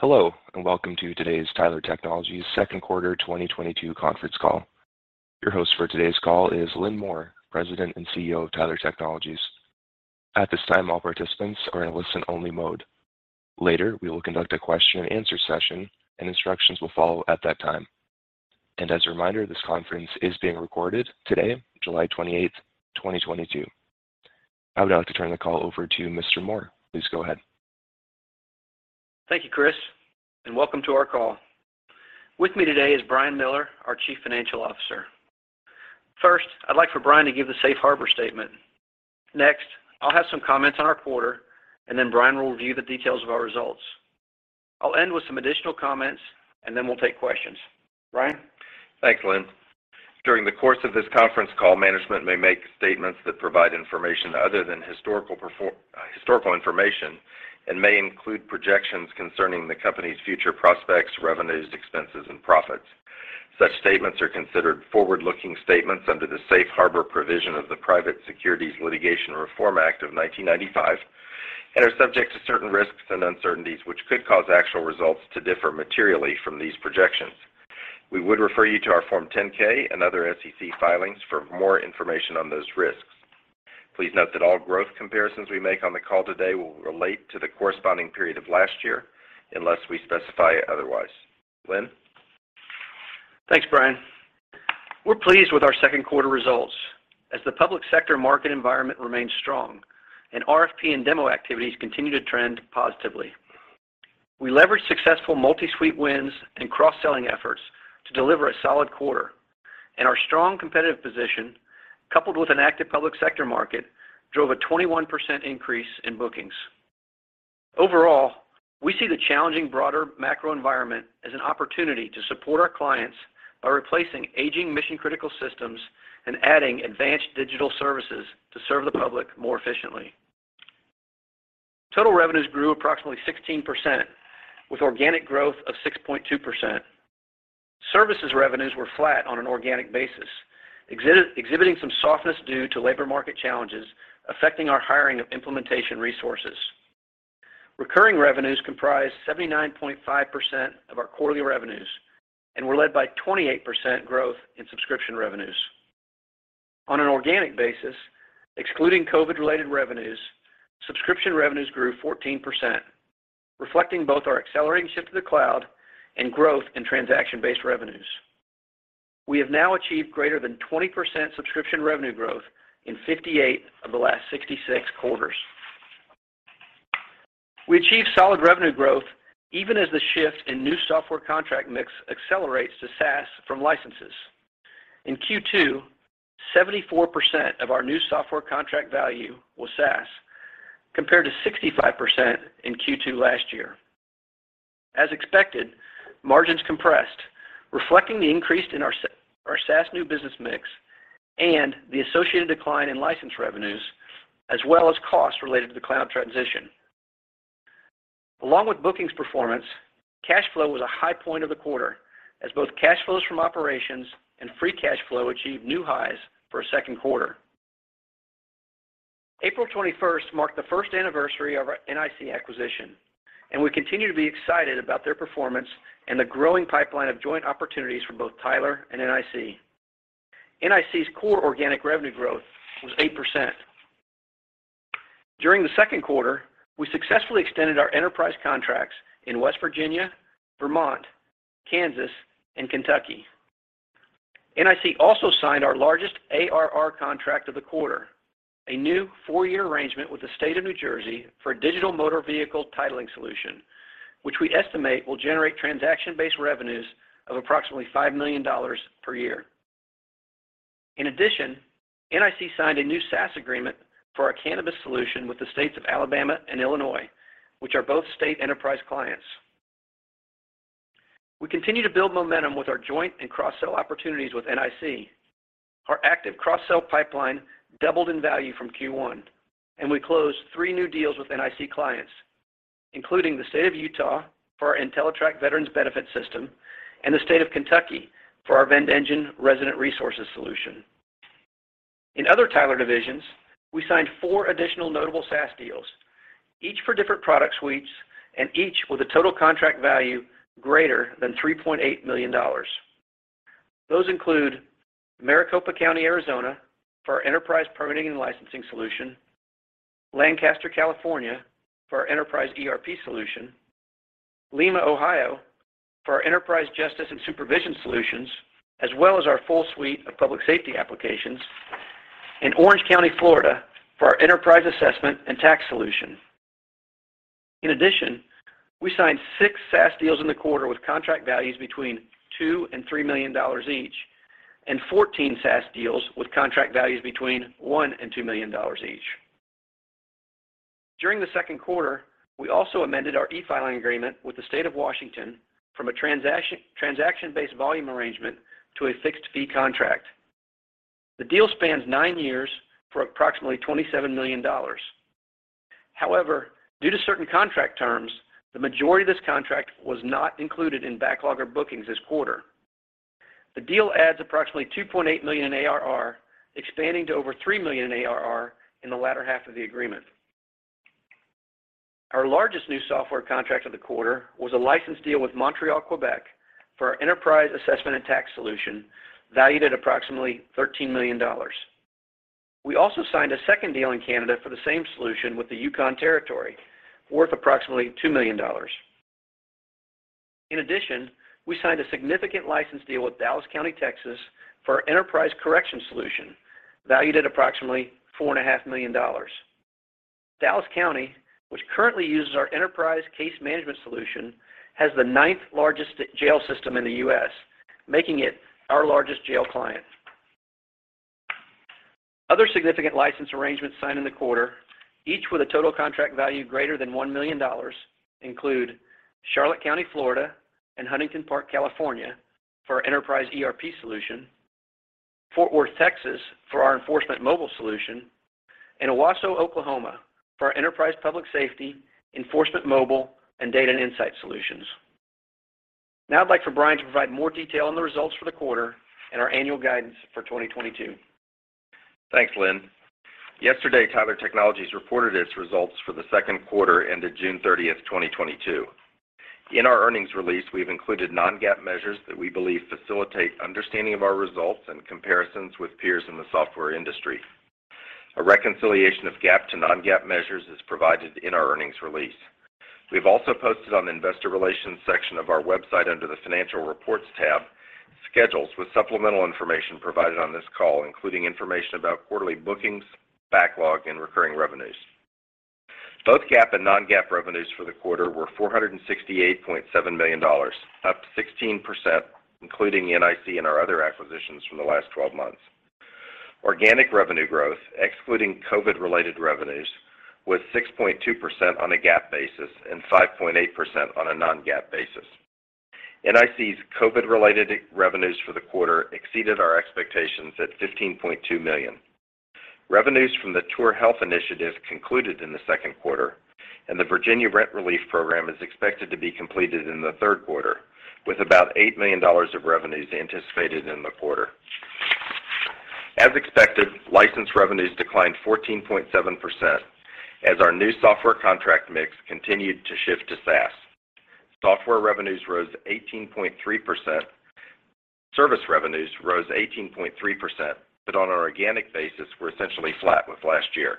Hello, and welcome to today's Tyler Technologies Second Quarter 2022 Conference Call. Your host for today's call is Lynn Moore, President and CEO of Tyler Technologies. At this time, all participants are in a listen-only mode. Later, we will conduct a Q&A session, and instructions will follow at that time. As a reminder, this conference is being recorded today, July 28, 2022. I would now like to turn the call over to Mr. Moore. Please go ahead. Thank you, Chris, and welcome to our call. With me today is Brian Miller, our Chief Financial Officer. First, I'd like for Brian to give the safe harbor statement. Next, I'll have some comments on our quarter, and then Brian will review the details of our results. I'll end with some additional comments, and then we'll take questions. Brian? Thanks, Lynn. During the course of this conference call, management may make statements that provide information other than historical information and may include projections concerning the company's future prospects, revenues, expenses, and profits. Such statements are considered forward-looking statements under the Safe Harbor provision of the Private Securities Litigation Reform Act of 1995 and are subject to certain risks and uncertainties which could cause actual results to differ materially from these projections. We would refer you to our Form 10-K and other SEC filings for more information on those risks. Please note that all growth comparisons we make on the call today will relate to the corresponding period of last year unless we specify otherwise. Lynn? Thanks, Brian. We're pleased with our second quarter results as the public sector market environment remains strong and RFP and demo activities continue to trend positively. We leveraged successful multi-suite wins and cross-selling efforts to deliver a solid quarter, and our strong competitive position, coupled with an active public sector market, drove a 21% increase in bookings. Overall, we see the challenging broader macro environment as an opportunity to support our clients by replacing aging mission-critical systems and adding advanced digital services to serve the public more efficiently. Total revenues grew approximately 16% with organic growth of 6.2%. Services revenues were flat on an organic basis, exhibiting some softness due to labor market challenges affecting our hiring of implementation resources. Recurring revenues comprised 79.5% of our quarterly revenues and were led by 28% growth in subscription revenues. On an organic basis, excluding COVID-related revenues, subscription revenues grew 14%, reflecting both our accelerating shift to the cloud and growth in transaction-based revenues. We have now achieved greater than 20% subscription revenue growth in 58 of the last 66 quarters. We achieved solid revenue growth even as the shift in new software contract mix accelerates to SaaS from licenses. In Q2, 74% of our new software contract value was SaaS, compared to 65% in Q2 last year. As expected, margins compressed, reflecting the increase in our SaaS new business mix and the associated decline in license revenues, as well as costs related to the cloud transition. Along with bookings performance, cash flow was a high point of the quarter as both cash flows from operations and free cash flow achieved new highs for a second quarter. April 21 marked the first anniversary of our NIC acquisition, and we continue to be excited about their performance and the growing pipeline of joint opportunities for both Tyler and NIC. NIC's core organic revenue growth was 8%. During the second quarter, we successfully extended our enterprise contracts in West Virginia, Vermont, Kansas, and Kentucky. NIC also signed our largest ARR contract of the quarter, a new 4-year arrangement with the state of New Jersey for a digital motor vehicle titling solution, which we estimate will generate transaction-based revenues of approximately $5 million per year. In addition, NIC signed a new SaaS agreement for our cannabis solution with the states of Alabama and Illinois, which are both state enterprise clients. We continue to build momentum with our joint and cross-sell opportunities with NIC. Our active cross-sell pipeline doubled in value from Q1, and we closed three new deals with NIC clients, including the state of Utah for our Entellitrak Veterans Benefits system and the state of Kentucky for our VendEngine Resident Resources solution. In other Tyler divisions, we signed four additional notable SaaS deals, each for different product suites and each with a total contract value greater than $3.8 million. Those include Maricopa County, Arizona, for our Enterprise Permitting & Licensing solution, Lancaster, California, for our Enterprise ERP solution, Lima, Ohio, for our Enterprise Justice and Supervision solutions, as well as our full suite of public safety applications, and Orange County, Florida, for our Enterprise Assessment & Tax solution. In addition, we signed six SaaS deals in the quarter with contract values between $2 million and $3 million each, and 14 SaaS deals with contract values between $1 million and $2 million each. During the second quarter, we also amended our e-filing agreement with the State of Washington from a transaction-based volume arrangement to a fixed-fee contract. The deal spans nine years for approximately $27 million. However, due to certain contract terms, the majority of this contract was not included in backlog or bookings this quarter. The deal adds approximately $2.8 million in ARR, expanding to over $3 million in ARR in the latter half of the agreement. Our largest new software contract of the quarter was a license deal with Montreal, Quebec for our Enterprise Assessment & Tax solution, valued at approximately $13 million. We also signed a second deal in Canada for the same solution with the Yukon Territory, worth approximately $2 million. In addition, we signed a significant license deal with Dallas County, Texas for our Enterprise Corrections solution, valued at approximately $4.5 million. Dallas County, which currently uses our Enterprise Case Management solution, has the ninth largest jail system in the U.S., making it our largest jail client. Other significant license arrangements signed in the quarter, each with a total contract value greater than $1 million, include Charlotte County, Florida and Huntington Park, California for our Enterprise ERP solution, Fort Worth, Texas for our Enforcement Mobile solution, and Owasso, Oklahoma for our Enterprise Public Safety, Enforcement Mobile, and Data & Insights solutions. Now I'd like for Brian to provide more detail on the results for the quarter and our annual guidance for 2022. Thanks, Lynn. Yesterday, Tyler Technologies reported its results for the second quarter ended June 30, 2022. In our earnings release, we've included non-GAAP measures that we believe facilitate understanding of our results and comparisons with peers in the software industry. A reconciliation of GAAP to non-GAAP measures is provided in our earnings release. We've also posted on the investor relations section of our website under the Financial Reports tab, schedules with supplemental information provided on this call, including information about quarterly bookings, backlog, and recurring revenues. Both GAAP and non-GAAP revenues for the quarter were $468.7 million, up 16%, including NIC and our other acquisitions from the last 12 months. Organic revenue growth, excluding COVID-related revenues, was 6.2% on a GAAP basis and 5.8% on a non-GAAP basis. NIC's COVID-related revenues for the quarter exceeded our expectations at $15.2 million. Revenues from the TourHealth initiative concluded in the second quarter, and the Virginia Rent Relief Program is expected to be completed in the third quarter, with about $8 million of revenues anticipated in the quarter. As expected, license revenues declined 14.7% as our new software contract mix continued to shift to SaaS. Service revenues rose 18.3%, but on an organic basis were essentially flat with last year.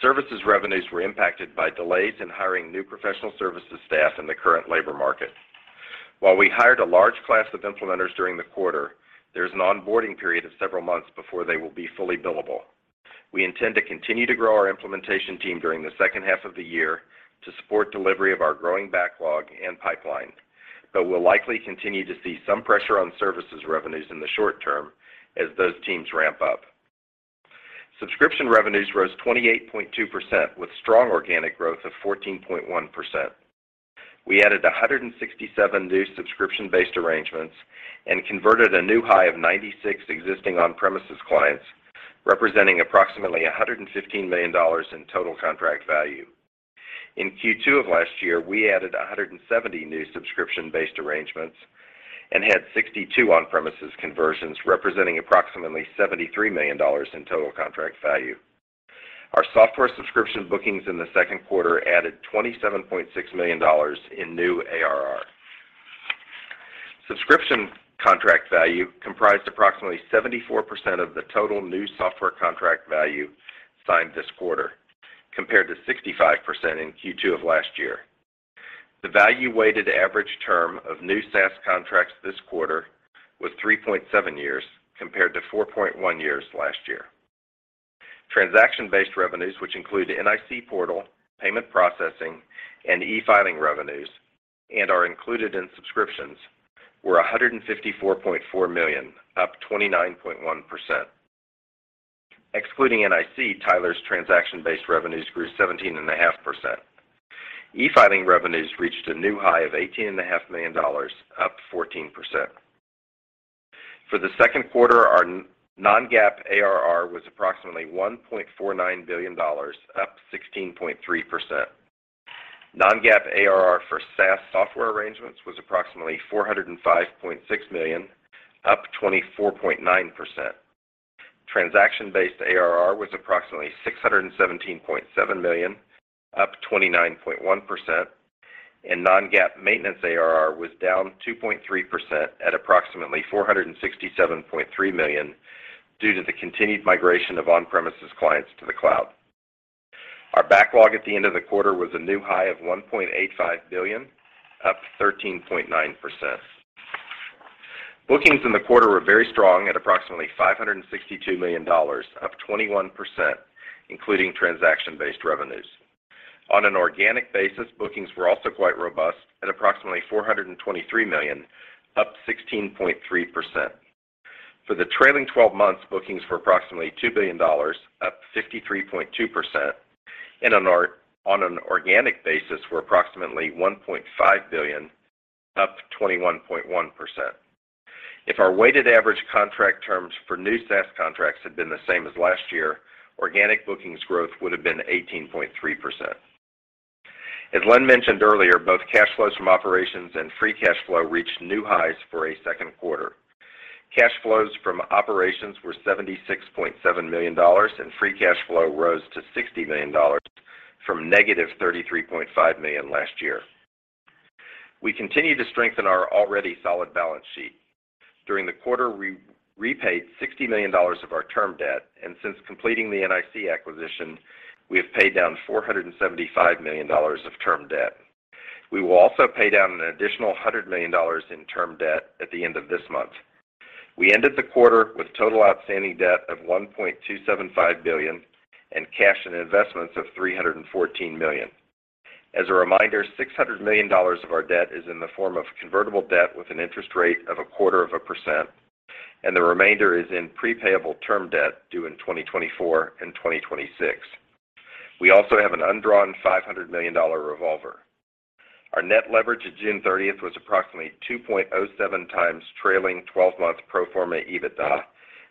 Services revenues were impacted by delays in hiring new professional services staff in the current labor market. While we hired a large class of implementers during the quarter, there's an onboarding period of several months before they will be fully billable. We intend to continue to grow our implementation team during the second half of the year to support delivery of our growing backlog and pipeline, but we'll likely continue to see some pressure on services revenues in the short term as those teams ramp up. Subscription revenues rose 28.2% with strong organic growth of 14.1%. We added 167 new subscription-based arrangements and converted a new high of 96 existing on-premises clients, representing approximately $115 million in total contract value. In Q2 of last year, we added 170 new subscription-based arrangements and had 62 on-premises conversions, representing approximately $73 million in total contract value. Our software subscription bookings in the second quarter added $27.6 million in new ARR. Subscription contract value comprised approximately 74% of the total new software contract value signed this quarter, compared to 65% in Q2 of last year. The value-weighted average term of new SaaS contracts this quarter was 3.7 years, compared to 4.1 years last year. Transaction-based revenues, which include NIC portal, payment processing, and e-filing revenues, and are included in subscriptions, were $154.4 million, up 29.1%. Excluding NIC, Tyler's transaction-based revenues grew 17.5%. E-filing revenues reached a new high of $18.5 million, up 14%. For the second quarter, our non-GAAP ARR was approximately $1.49 billion, up 16.3%. Non-GAAP ARR for SaaS software arrangements was approximately $405.6 million, up 24.9%. Transaction-based ARR was approximately $617.7 million, up 29.1%. non-GAAP maintenance ARR was down 2.3% at approximately $467.3 million due to the continued migration of on-premises clients to the cloud. Our backlog at the end of the quarter was a new high of $1.85 billion, up 13.9%. Bookings in the quarter were very strong at approximately $562 million, up 21%, including transaction-based revenues. On an organic basis, bookings were also quite robust at approximately $423 million, up 16.3%. For the trailing 12 months, bookings were approximately $2 billion, up 53.2%, and on an organic basis were approximately $1.5 billion, up 21.1%. If our weighted average contract terms for new SaaS contracts had been the same as last year, organic bookings growth would have been 18.3%. As Lynn mentioned earlier, both cash flows from operations and free cash flow reached new highs for a second quarter. Cash flows from operations were $76.7 million, and free cash flow rose to $60 million from -$33.5 million last year. We continue to strengthen our already solid balance sheet. During the quarter, we repaid $60 million of our term debt, and since completing the NIC acquisition, we have paid down $475 million of term debt. We will also pay down an additional $100 million in term debt at the end of this month. We ended the quarter with total outstanding debt of $1.275 billion and cash and investments of $314 million. As a reminder, $600 million of our debt is in the form of convertible debt with an interest rate of a quarter of a percent, and the remainder is in pre-payable term debt due in 2024 and 2026. We also have an undrawn $500 million revolver. Our net leverage at June 30 was approximately 2.07 times trailing twelve-month pro forma EBITDA,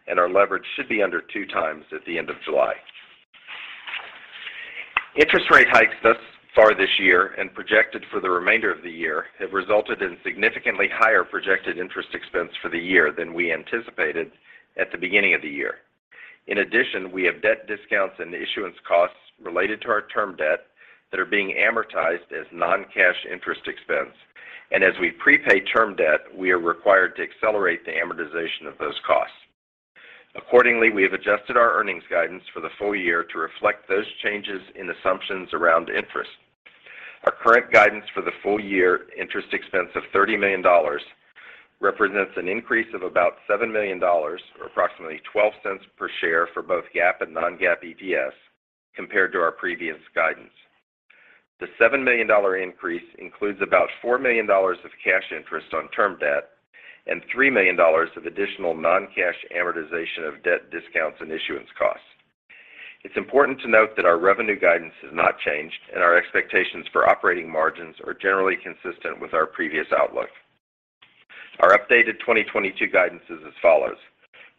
and our leverage should be under 2 times at the end of July. Interest rate hikes thus far this year and projected for the remainder of the year have resulted in significantly higher projected interest expense for the year than we anticipated at the beginning of the year. In addition, we have debt discounts and issuance costs related to our term debt that are being amortized as non-cash interest expense. As we prepay term debt, we are required to accelerate the amortization of those costs. Accordingly, we have adjusted our earnings guidance for the full year to reflect those changes in assumptions around interest. Our current guidance for the full year interest expense of $30 million represents an increase of about $7 million, or approximately $0.12 per share for both GAAP and non-GAAP EPS compared to our previous guidance. The $7 million increase includes about $4 million of cash interest on term debt and $3 million of additional non-cash amortization of debt discounts and issuance costs. It's important to note that our revenue guidance has not changed, and our expectations for operating margins are generally consistent with our previous outlook. Our updated 2022 guidance is as follows.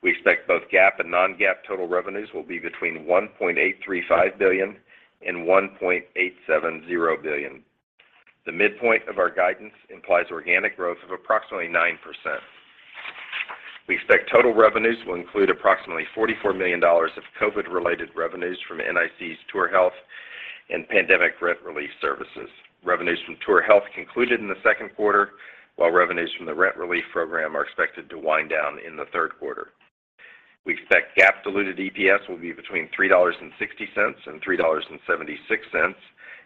We expect both GAAP and non-GAAP total revenues will be between $1.835 billion-$1.870 billion. The midpoint of our guidance implies organic growth of approximately 9%. We expect total revenues will include approximately $44 million of COVID-related revenues from NIC's TourHealth and Pandemic Rent Relief Services. Revenues from TourHealth concluded in the second quarter, while revenues from the rent relief program are expected to wind down in the third quarter. We expect GAAP diluted EPS will be between $3.60-$3.76,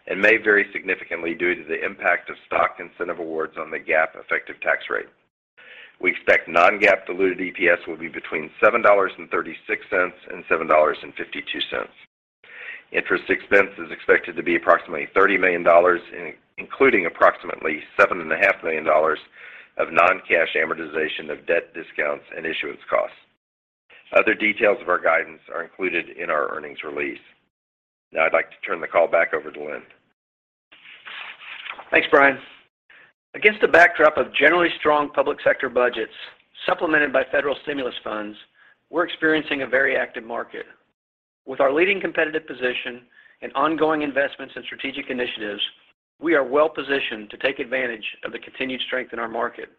and may vary significantly due to the impact of stock incentive awards on the GAAP effective tax rate. We expect non-GAAP diluted EPS will be between $7.36-$7.52. Interest expense is expected to be approximately $30 million, including approximately $7.5 million of non-cash amortization of debt discounts and issuance costs. Other details of our guidance are included in our earnings release. Now I'd like to turn the call back over to Lynn. Thanks, Brian. Against the backdrop of generally strong public sector budgets supplemented by federal stimulus funds, we're experiencing a very active market. With our leading competitive position and ongoing investments in strategic initiatives, we are well positioned to take advantage of the continued strength in our market.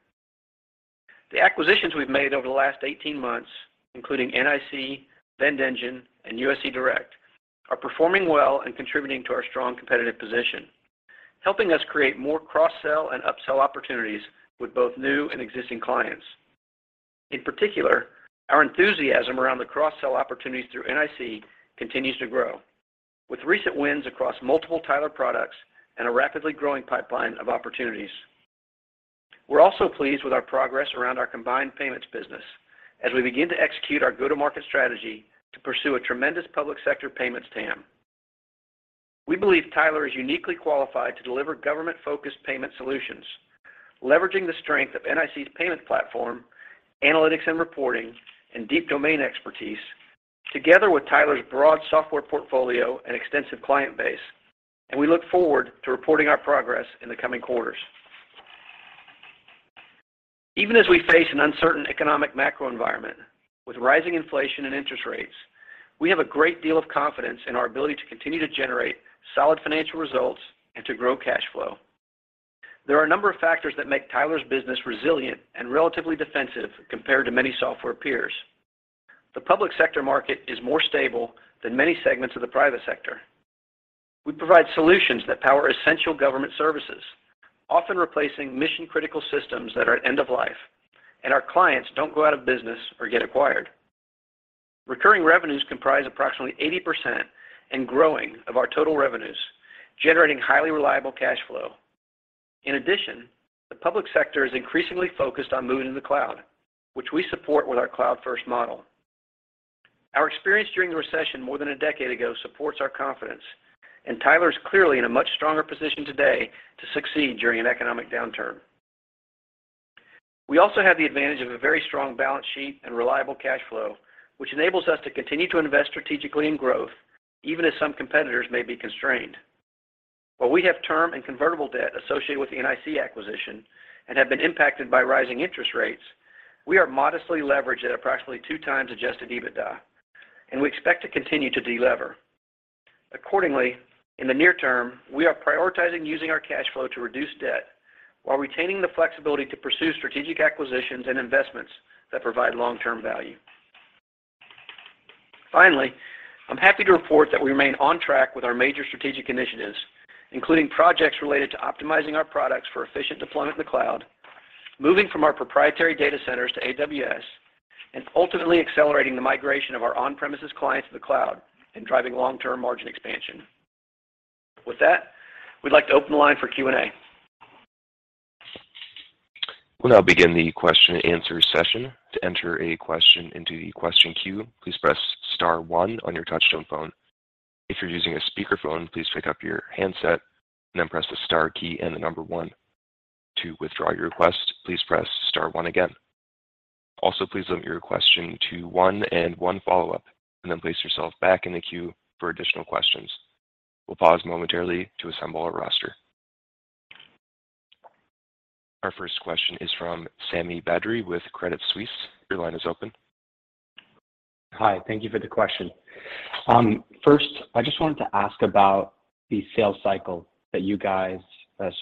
The acquisitions we've made over the last 18 months, including NIC, VendEngine, and US eDirect, are performing well and contributing to our strong competitive position, helping us create more cross-sell and upsell opportunities with both new and existing clients. In particular, our enthusiasm around the cross-sell opportunities through NIC continues to grow, with recent wins across multiple Tyler products and a rapidly growing pipeline of opportunities. We're also pleased with our progress around our combined payments business as we begin to execute our go-to-market strategy to pursue a tremendous public sector payments TAM. We believe Tyler is uniquely qualified to deliver government-focused payment solutions, leveraging the strength of NIC's payment platform, analytics and reporting, and deep domain expertise together with Tyler's broad software portfolio and extensive client base, and we look forward to reporting our progress in the coming quarters. Even as we face an uncertain economic macro environment with rising inflation and interest rates, we have a great deal of confidence in our ability to continue to generate solid financial results and to grow cash flow. There are a number of factors that make Tyler's business resilient and relatively defensive compared to many software peers. The public sector market is more stable than many segments of the private sector. We provide solutions that power essential government services, often replacing mission-critical systems that are end of life, and our clients don't go out of business or get acquired. Recurring revenues comprise approximately 80% and growing of our total revenues, generating highly reliable cash flow. In addition, the public sector is increasingly focused on moving to the cloud, which we support with our cloud-first model. Our experience during the recession more than a decade ago supports our confidence, and Tyler is clearly in a much stronger position today to succeed during an economic downturn. We also have the advantage of a very strong balance sheet and reliable cash flow, which enables us to continue to invest strategically in growth even as some competitors may be constrained. While we have term and convertible debt associated with the NIC acquisition and have been impacted by rising interest rates, we are modestly leveraged at approximately 2x adjusted EBITDA. We expect to continue to delever. Accordingly, in the near term, we are prioritizing using our cash flow to reduce debt while retaining the flexibility to pursue strategic acquisitions and investments that provide long-term value. Finally, I'm happy to report that we remain on track with our major strategic initiatives, including projects related to optimizing our products for efficient deployment in the cloud, moving from our proprietary data centers to AWS, and ultimately accelerating the migration of our on-premises clients to the cloud and driving long-term margin expansion. With that, we'd like to open the line for Q&A. We'll now begin the Q&A session. To enter a question into the question queue, please press star one on your touchtone phone. If you're using a speakerphone, please pick up your handset and then press the star key and the number one. To withdraw your request, please press star one again. Also, please limit your question to one and one follow-up, and then place yourself back in the queue for additional questions. We'll pause momentarily to assemble our roster. Our first question is from Sami Badri with Credit Suisse. Your line is open. Hi. Thank you for the question. First, I just wanted to ask about the sales cycle. Looking at the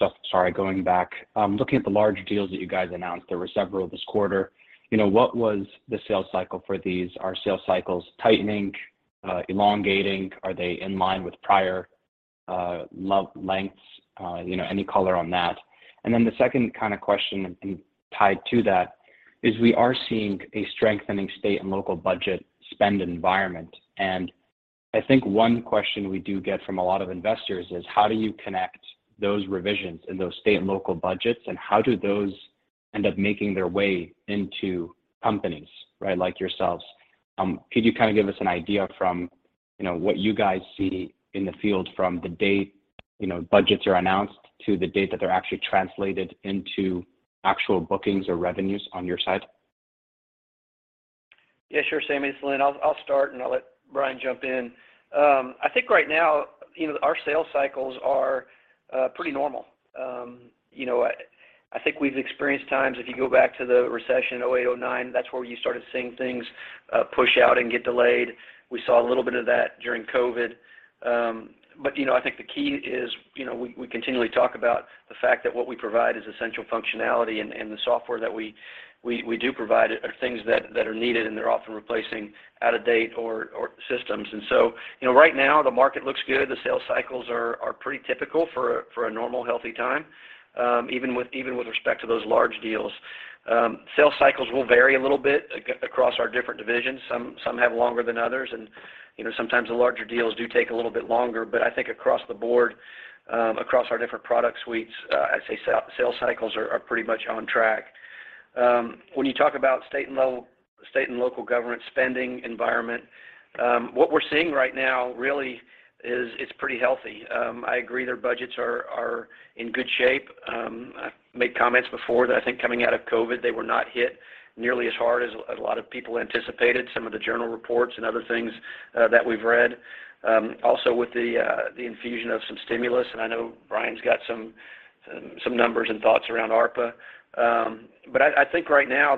larger deals that you guys announced, there were several this quarter. You know, what was the sales cycle for these? Are sales cycles tightening, elongating? Are they in line with prior lengths? You know, any color on that. Then the second kind of question and tied to that is we are seeing a strengthening state and local budget spend environment. I think one question we do get from a lot of investors is, how do you connect those revisions in those state and local budgets, and how do those end up making their way into companies, right, like yourselves? Could you kind of give us an idea from, you know, what you guys see in the field from the date, you know, budgets are announced to the date that they're actually translated into actual bookings or revenues on your side? Yeah, sure, Sami. It's Lynn. I'll start, and I'll let Brian jump in. I think right now, you know, our sales cycles are pretty normal. You know, I think we've experienced times, if you go back to the recession, 2008, 2009, that's where you started seeing things push out and get delayed. We saw a little bit of that during COVID. But, you know, I think the key is, you know, we continually talk about the fact that what we provide is essential functionality, and the software that we do provide are things that are needed, and they're often replacing out-of-date or systems. Right now the market looks good. The sales cycles are pretty typical for a normal, healthy time, even with respect to those large deals. Sales cycles will vary a little bit across our different divisions. Some have longer than others, and you know, sometimes the larger deals do take a little bit longer. I think across the board, across our different product suites, I'd say sales cycles are pretty much on track. When you talk about state and local government spending environment, what we're seeing right now really is, it's pretty healthy. I agree their budgets are in good shape. I've made comments before that I think coming out of COVID, they were not hit nearly as hard as a lot of people anticipated, some of the journal reports and other things that we've read. Also with the infusion of some stimulus, and I know Brian's got some numbers and thoughts around ARPA. I think right now,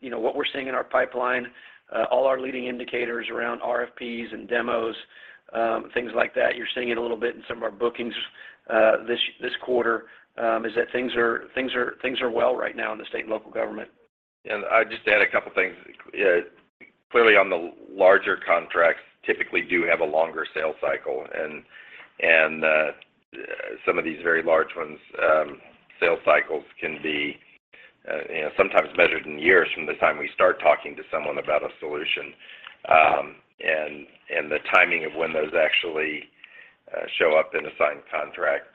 you know, what we're seeing in our pipeline, all our leading indicators around RFPs and demos, things like that, you're seeing it a little bit in some of our bookings this quarter, is that things are well right now in the state and local government. I'd just add a couple things. Clearly on the larger contracts typically do have a longer sales cycle and some of these very large ones, sales cycles can be, you know, sometimes measured in years from the time we start talking to someone about a solution. The timing of when those actually show up in a signed contract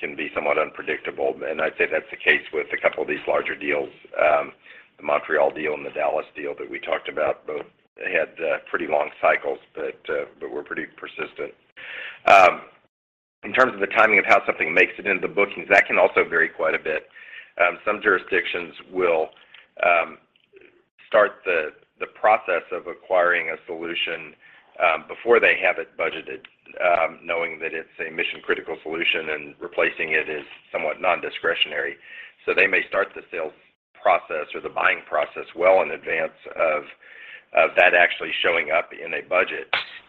can be somewhat unpredictable. I'd say that's the case with a couple of these larger deals. The Montreal deal and the Dallas deal that we talked about both had pretty long cycles but were pretty persistent. In terms of the timing of how something makes it into bookings, that can also vary quite a bit. Some jurisdictions will start the process of acquiring a solution before they have it budgeted, knowing that it's a mission-critical solution and replacing it is somewhat non-discretionary. They may start the sales process or the buying process well in advance of that actually showing up in a budget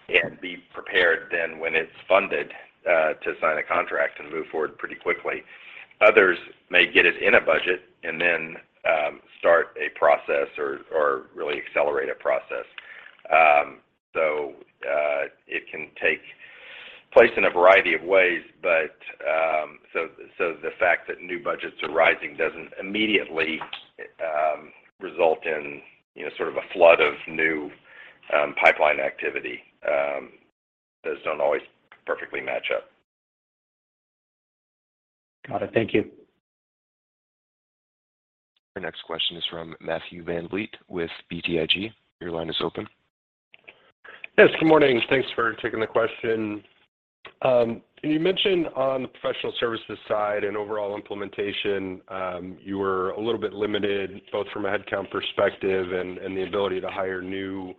and be prepared then when it's funded to sign a contract and move forward pretty quickly. Others may get it in a budget and then start a process or really accelerate a process. It can take place in a variety of ways. The fact that new budgets are rising doesn't immediately result in, you know, sort of a flood of new pipeline activity. Those don't always perfectly match up. Got it. Thank you. Our next question is from Matthew VanVliet with BTIG. Your line is open. Yes. Good morning. Thanks for taking the question. You mentioned on the professional services side and overall implementation, you were a little bit limited both from a headcount perspective and the ability to hire new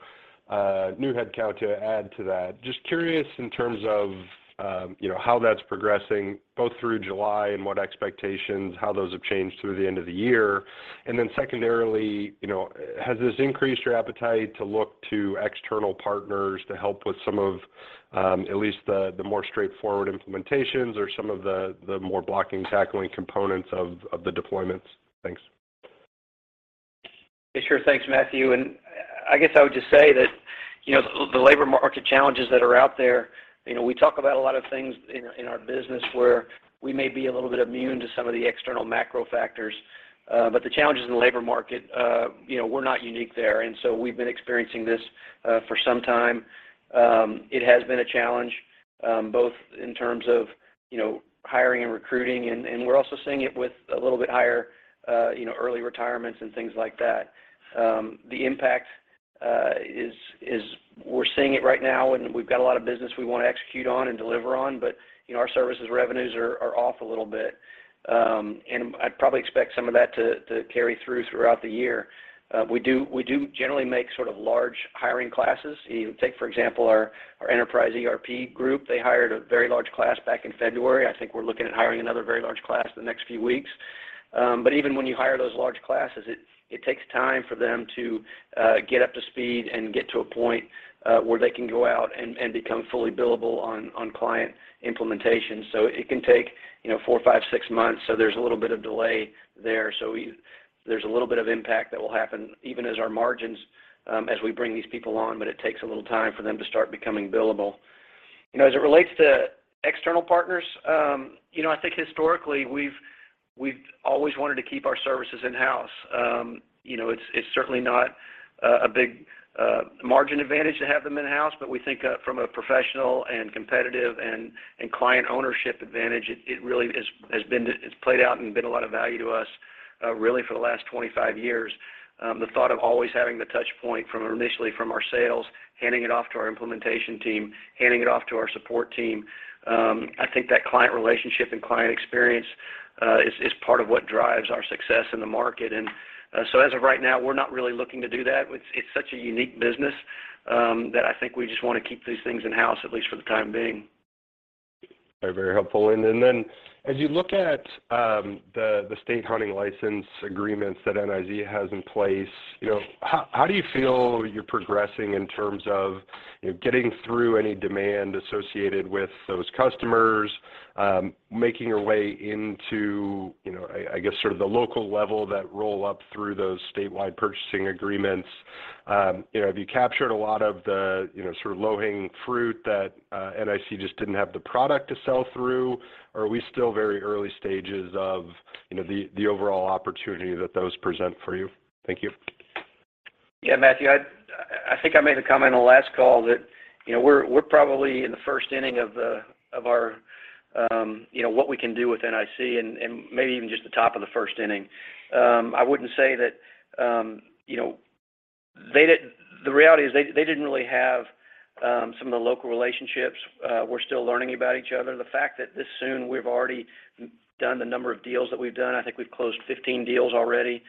headcount to add to that. Just curious in terms of, you know, how that's progressing both through July and what expectations, how those have changed through the end of the year. Secondarily, you know, has this increased your appetite to look to external partners to help with some of, at least the more straightforward implementations or some of the more blocking and tackling components of the deployments? Thanks. Yeah, sure. Thanks, Matthew. I guess I would just say that, you know, the labor market challenges that are out there, you know, we talk about a lot of things in our business where we may be a little bit immune to some of the external macro factors. The challenges in the labor market, you know, we're not unique there, and so we've been experiencing this for some time. It has been a challenge, both in terms of, you know, hiring and recruiting, and we're also seeing it with a little bit higher, you know, early retirements and things like that. The impact is we're seeing it right now, and we've got a lot of business we wanna execute on and deliver on, but, you know, our services revenues are off a little bit. I'd probably expect some of that to carry through throughout the year. We do generally make sort of large hiring classes. You take, for example, our Enterprise ERP group. They hired a very large class back in February. I think we're looking at hiring another very large class in the next few weeks. Even when you hire those large classes, it takes time for them to get up to speed and get to a point where they can go out and become fully billable on client implementation. It can take, you know, four, five, six months, so there's a little bit of delay there. There's a little bit of impact that will happen even as our margins, as we bring these people on, but it takes a little time for them to start becoming billable. You know, as it relates to external partners, you know, I think historically, we've always wanted to keep our services in-house. You know, it's certainly not a big margin advantage to have them in-house, but we think, from a professional and competitive and client ownership advantage, it really has been. It's played out and been a lot of value to us, really for the last 25 years. The thought of always having the touch point from initially our sales, handing it off to our implementation team, handing it off to our support team, I think that client relationship and client experience is part of what drives our success in the market. As of right now, we're not really looking to do that. It's such a unique business that I think we just wanna keep these things in-house, at least for the time being. Very helpful. As you look at the state hunting license agreements that NIC has in place, you know, how do you feel you're progressing in terms of, you know, getting through any demand associated with those customers, making your way into, you know, I guess sort of the local level that roll up through those statewide purchasing agreements? You know, have you captured a lot of the, you know, sort of low-hanging fruit that NIC just didn't have the product to sell through? Are we still very early stages of, you know, the overall opportunity that those present for you? Thank you. Yeah, Matthew, I think I made the comment on last call that, you know, we're probably in the first inning of our, you know, what we can do with NIC and maybe even just the top of the first inning. I wouldn't say that, you know. The reality is they didn't really have some of the local relationships. We're still learning about each other. The fact that this soon we've already done the number of deals that we've done, I think we've closed 15 deals already.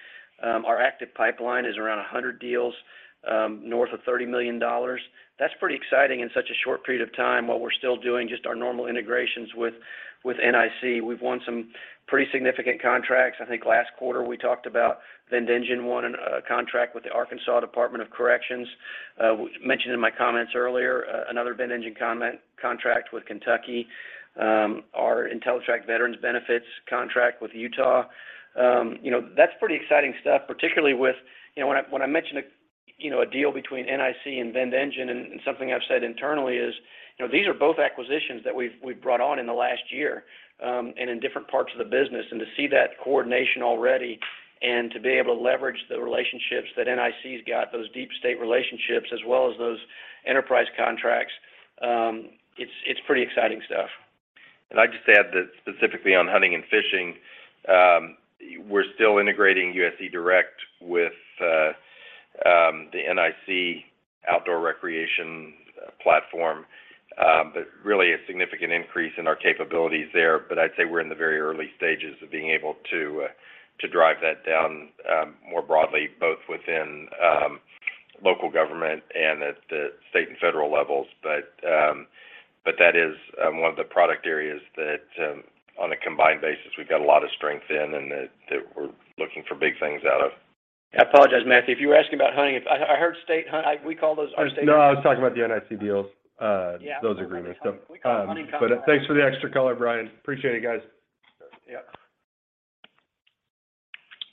Our active pipeline is around 100 deals, north of $30 million. That's pretty exciting in such a short period of time while we're still doing just our normal integrations with NIC. We've won some pretty significant contracts. I think last quarter we talked about VendEngine won a contract with the Arkansas Department of Corrections. Mentioned in my comments earlier, another VendEngine contract with Kentucky, our Entellitrak Veterans Benefits contract with Utah. You know, that's pretty exciting stuff, particularly with. You know, when I mentioned, you know, a deal between NIC and VendEngine, and something I've said internally is, you know, these are both acquisitions that we've brought on in the last year, and in different parts of the business. To see that coordination already and to be able to leverage the relationships that NIC's got, those deep state relationships as well as those enterprise contracts, it's pretty exciting stuff. I'd just add that specifically on hunting and fishing, we're still integrating US eDirect with the NIC outdoor recreation platform. Really a significant increase in our capabilities there. I'd say we're in the very early stages of being able to drive that down more broadly, both within local government and at the state and federal levels. That is one of the product areas that on a combined basis, we've got a lot of strength in and that we're looking for big things out of. I apologize, Matthew. If you were asking about hunting, I heard state hunt. We call those our state- No, I was talking about the NIC deals. Yeah. Those agreements. We call them hunting contracts. Thanks for the extra color, Brian. Appreciate it, guys. Yeah.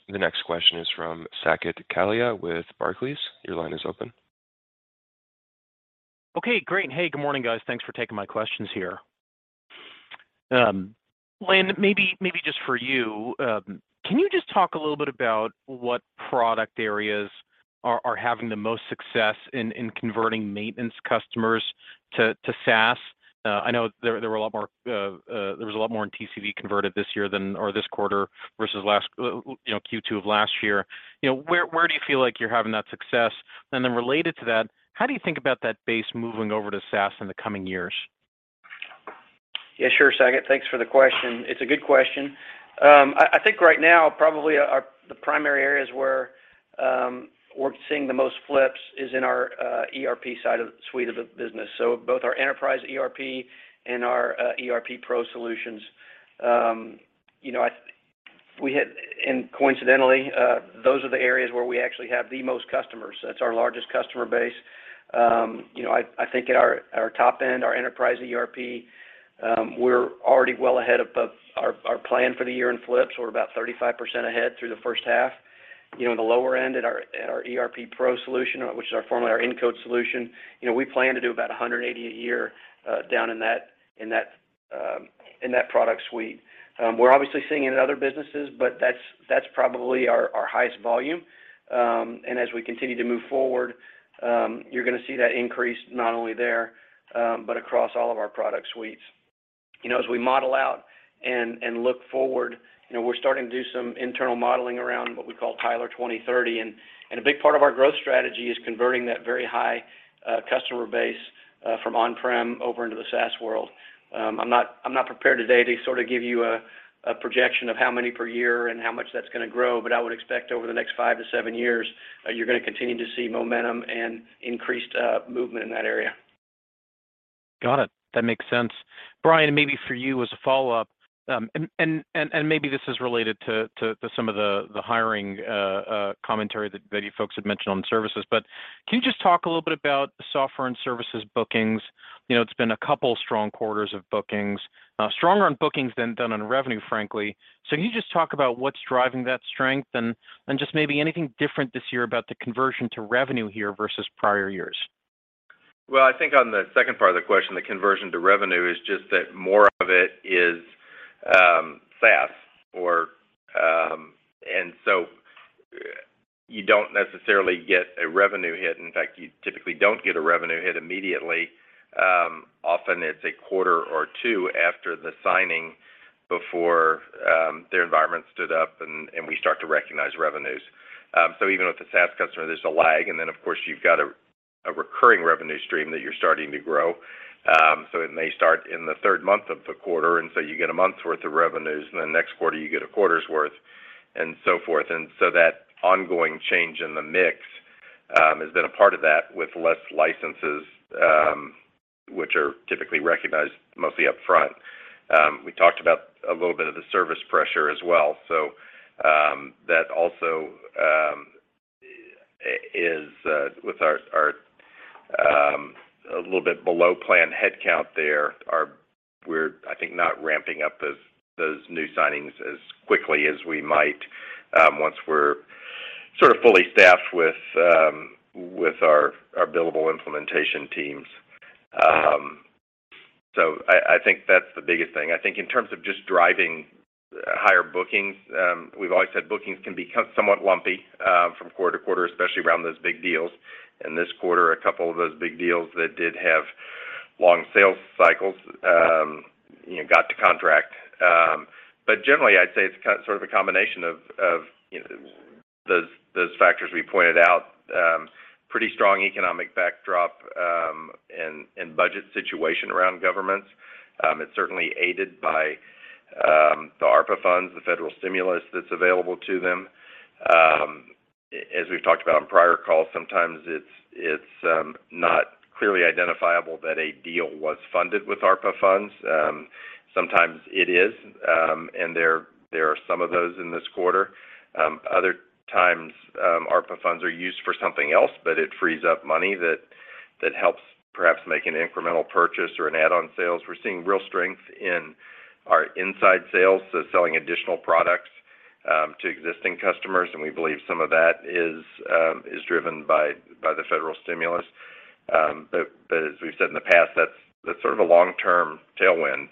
The next question is from Saket Kalia with Barclays. Your line is open. Okay, great. Hey, good morning, guys. Thanks for taking my questions here. Lynn, maybe just for you, can you just talk a little bit about what product areas are having the most success in converting maintenance customers to SaaS? I know there were a lot more in TCV converted this year than or this quarter versus last, you know, Q2 of last year. You know, where do you feel like you're having that success? Related to that, how do you think about that base moving over to SaaS in the coming years? Yeah, sure, Saket. Thanks for the question. It's a good question. I think right now, probably the primary areas where we're seeing the most flips is in our ERP side of the suite of the business. Both our Enterprise ERP and our ERP Pro solutions. You know, coincidentally, those are the areas where we actually have the most customers. That's our largest customer base. You know, I think at our top end, our Enterprise ERP, we're already well ahead of our plan for the year in flips. We're about 35% ahead through the first half. You know, in the lower end at our ERP Pro solution, which is our former Incode solution, you know, we plan to do about 100 a year down in that product suite. We're obviously seeing it in other businesses, but that's probably our highest volume. And as we continue to move forward, you're gonna see that increase not only there, but across all of our product suites. You know, as we model out and look forward, you know, we're starting to do some internal modeling around what we call Tyler 2030, and a big part of our growth strategy is converting that very high customer base from on-prem over into the SaaS world. I'm not prepared today to sort of give you a projection of how many per year and how much that's gonna grow, but I would expect over the next five to seven years, you're gonna continue to see momentum and increased movement in that area. Got it. That makes sense. Brian, and maybe for you as a follow-up, and maybe this is related to some of the hiring commentary that maybe you folks had mentioned on services, but can you just talk a little bit about software and services bookings? You know, it's been a couple strong quarters of bookings, stronger on bookings than done on revenue, frankly. Can you just talk about what's driving that strength and just maybe anything different this year about the conversion to revenue here versus prior years? Well, I think on the second part of the question, the conversion to revenue is just that more of it is SaaS. You don't necessarily get a revenue hit. In fact, you typically don't get a revenue hit immediately. Often it's a quarter or two after the signing before their environment's stood up and we start to recognize revenues. Even with the SaaS customer, there's a lag. Of course, you've got a recurring revenue stream that you're starting to grow. It may start in the third month of the quarter, and so you get a month's worth of revenues, and then next quarter, you get a quarter's worth and so forth. That ongoing change in the mix has been a part of that with less licenses, which are typically recognized mostly up front. We talked about a little bit of the service pressure as well. That also is with our a little bit below plan headcount there. We're, I think, not ramping up those new signings as quickly as we might once we're sort of fully staffed with our billable implementation teams. I think that's the biggest thing. I think in terms of just driving higher bookings, we've always said bookings can be somewhat lumpy from quarter to quarter, especially around those big deals. This quarter, a couple of those big deals that did have long sales cycles, you know, got to contract. Generally, I'd say it's sort of a combination of, you know, those factors we pointed out. Pretty strong economic backdrop, and budget situation around governments. It's certainly aided by the ARPA funds, the federal stimulus that's available to them. As we've talked about on prior calls, sometimes it's not clearly identifiable that a deal was funded with ARPA funds. Sometimes it is, and there are some of those in this quarter. Other times, ARPA funds are used for something else, but it frees up money that helps perhaps make an incremental purchase or an add-on sales. We're seeing real strength in our inside sales, so selling additional products to existing customers, and we believe some of that is driven by the federal stimulus. As we've said in the past, that's sort of a long-term tailwind.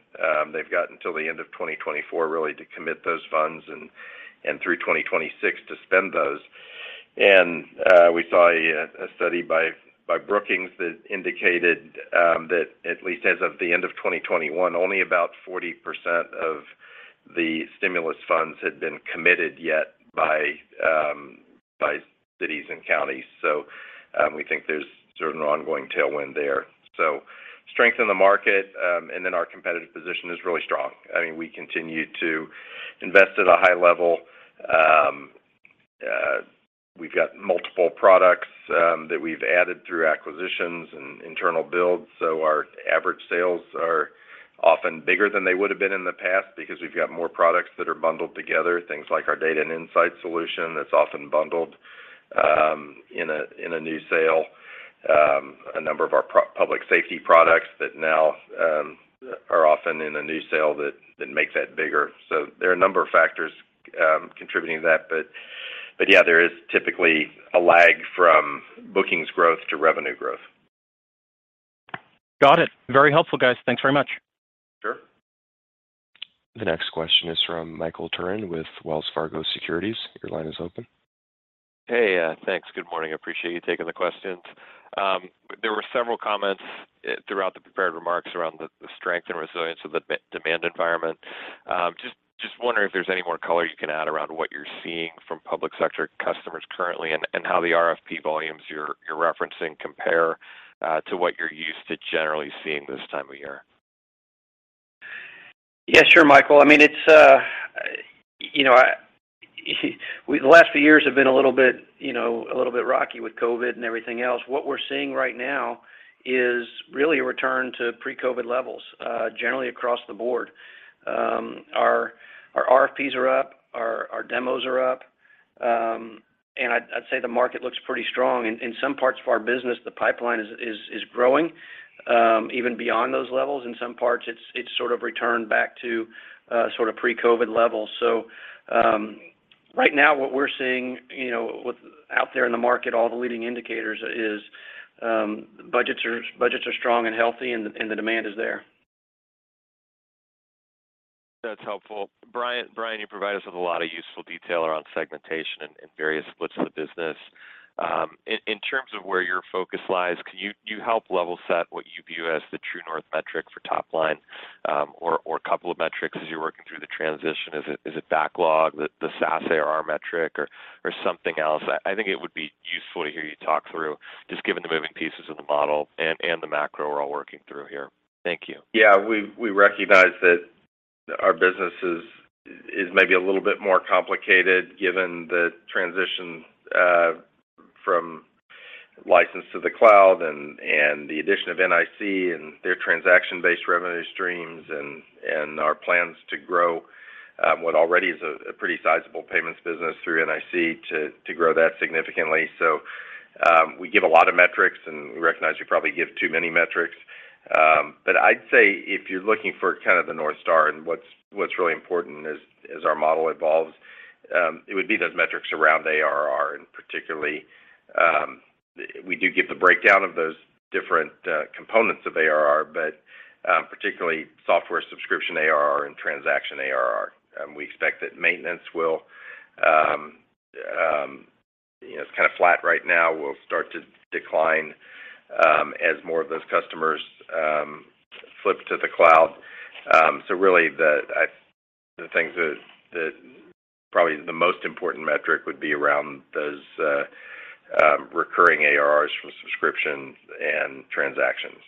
They've got until the end of 2024 really to commit those funds and through 2026 to spend those. We saw a study by Brookings that indicated that at least as of the end of 2021, only about 40% of the stimulus funds had been committed yet by cities and counties. We think there's sort of an ongoing tailwind there. Strength in the market, and then our competitive position is really strong. I mean, we continue to invest at a high level. We've got multiple products that we've added through acquisitions and internal builds, so our average sales are often bigger than they would have been in the past because we've got more products that are bundled together, things like our Data & Insights solution that's often bundled in a new sale. A number of our public safety products that now are often in a new sale that makes that bigger. There are a number of factors contributing to that. Yeah, there is typically a lag from bookings growth to revenue growth. Got it. Very helpful, guys. Thanks very much. Sure. The next question is from Michael Turrin with Wells Fargo Securities. Your line is open. Hey, thanks. Good morning. I appreciate you taking the questions. There were several comments throughout the prepared remarks around the strength and resilience of the demand environment. Just wondering if there's any more color you can add around what you're seeing from public sector customers currently and how the RFP volumes you're referencing compare to what you're used to generally seeing this time of year. Yeah, sure, Michael. I mean, it's, you know, the last few years have been a little bit, you know, a little bit rocky with COVID and everything else. What we're seeing right now is really a return to pre-COVID levels, generally across the board. Our RFPs are up, our demos are up. I'd say the market looks pretty strong. In some parts of our business, the pipeline is growing, even beyond those levels. In some parts, it's sort of returned back to sort of pre-COVID levels. Right now what we're seeing, you know, what's out there in the market, all the leading indicators is budgets are strong and healthy and the demand is there. That's helpful. Brian, you provided us with a lot of useful detail around segmentation and various splits of the business. In terms of where your focus lies, can you help level set what you view as the true north metric for top line, or a couple of metrics as you're working through the transition? Is it backlog, the SaaS ARR metric or something else? I think it would be useful to hear you talk through just given the moving pieces of the model and the macro we're all working through here. Thank you. Yeah. We recognize that our business is maybe a little bit more complicated given the transition from license to the cloud and the addition of NIC and their transaction-based revenue streams and our plans to grow what already is a pretty sizable payments business through NIC to grow that significantly. We give a lot of metrics, and we recognize we probably give too many metrics. I'd say if you're looking for kind of the North Star and what's really important as our model evolves, it would be those metrics around ARR. Particularly, we do give the breakdown of those different components of ARR, but particularly software subscription ARR and transaction ARR. We expect that maintenance will, you know, it's kind of flat right now. We'll start to decline as more of those customers flip to the cloud. Really the things that probably the most important metric would be around those recurring ARRs from subscriptions and transactions.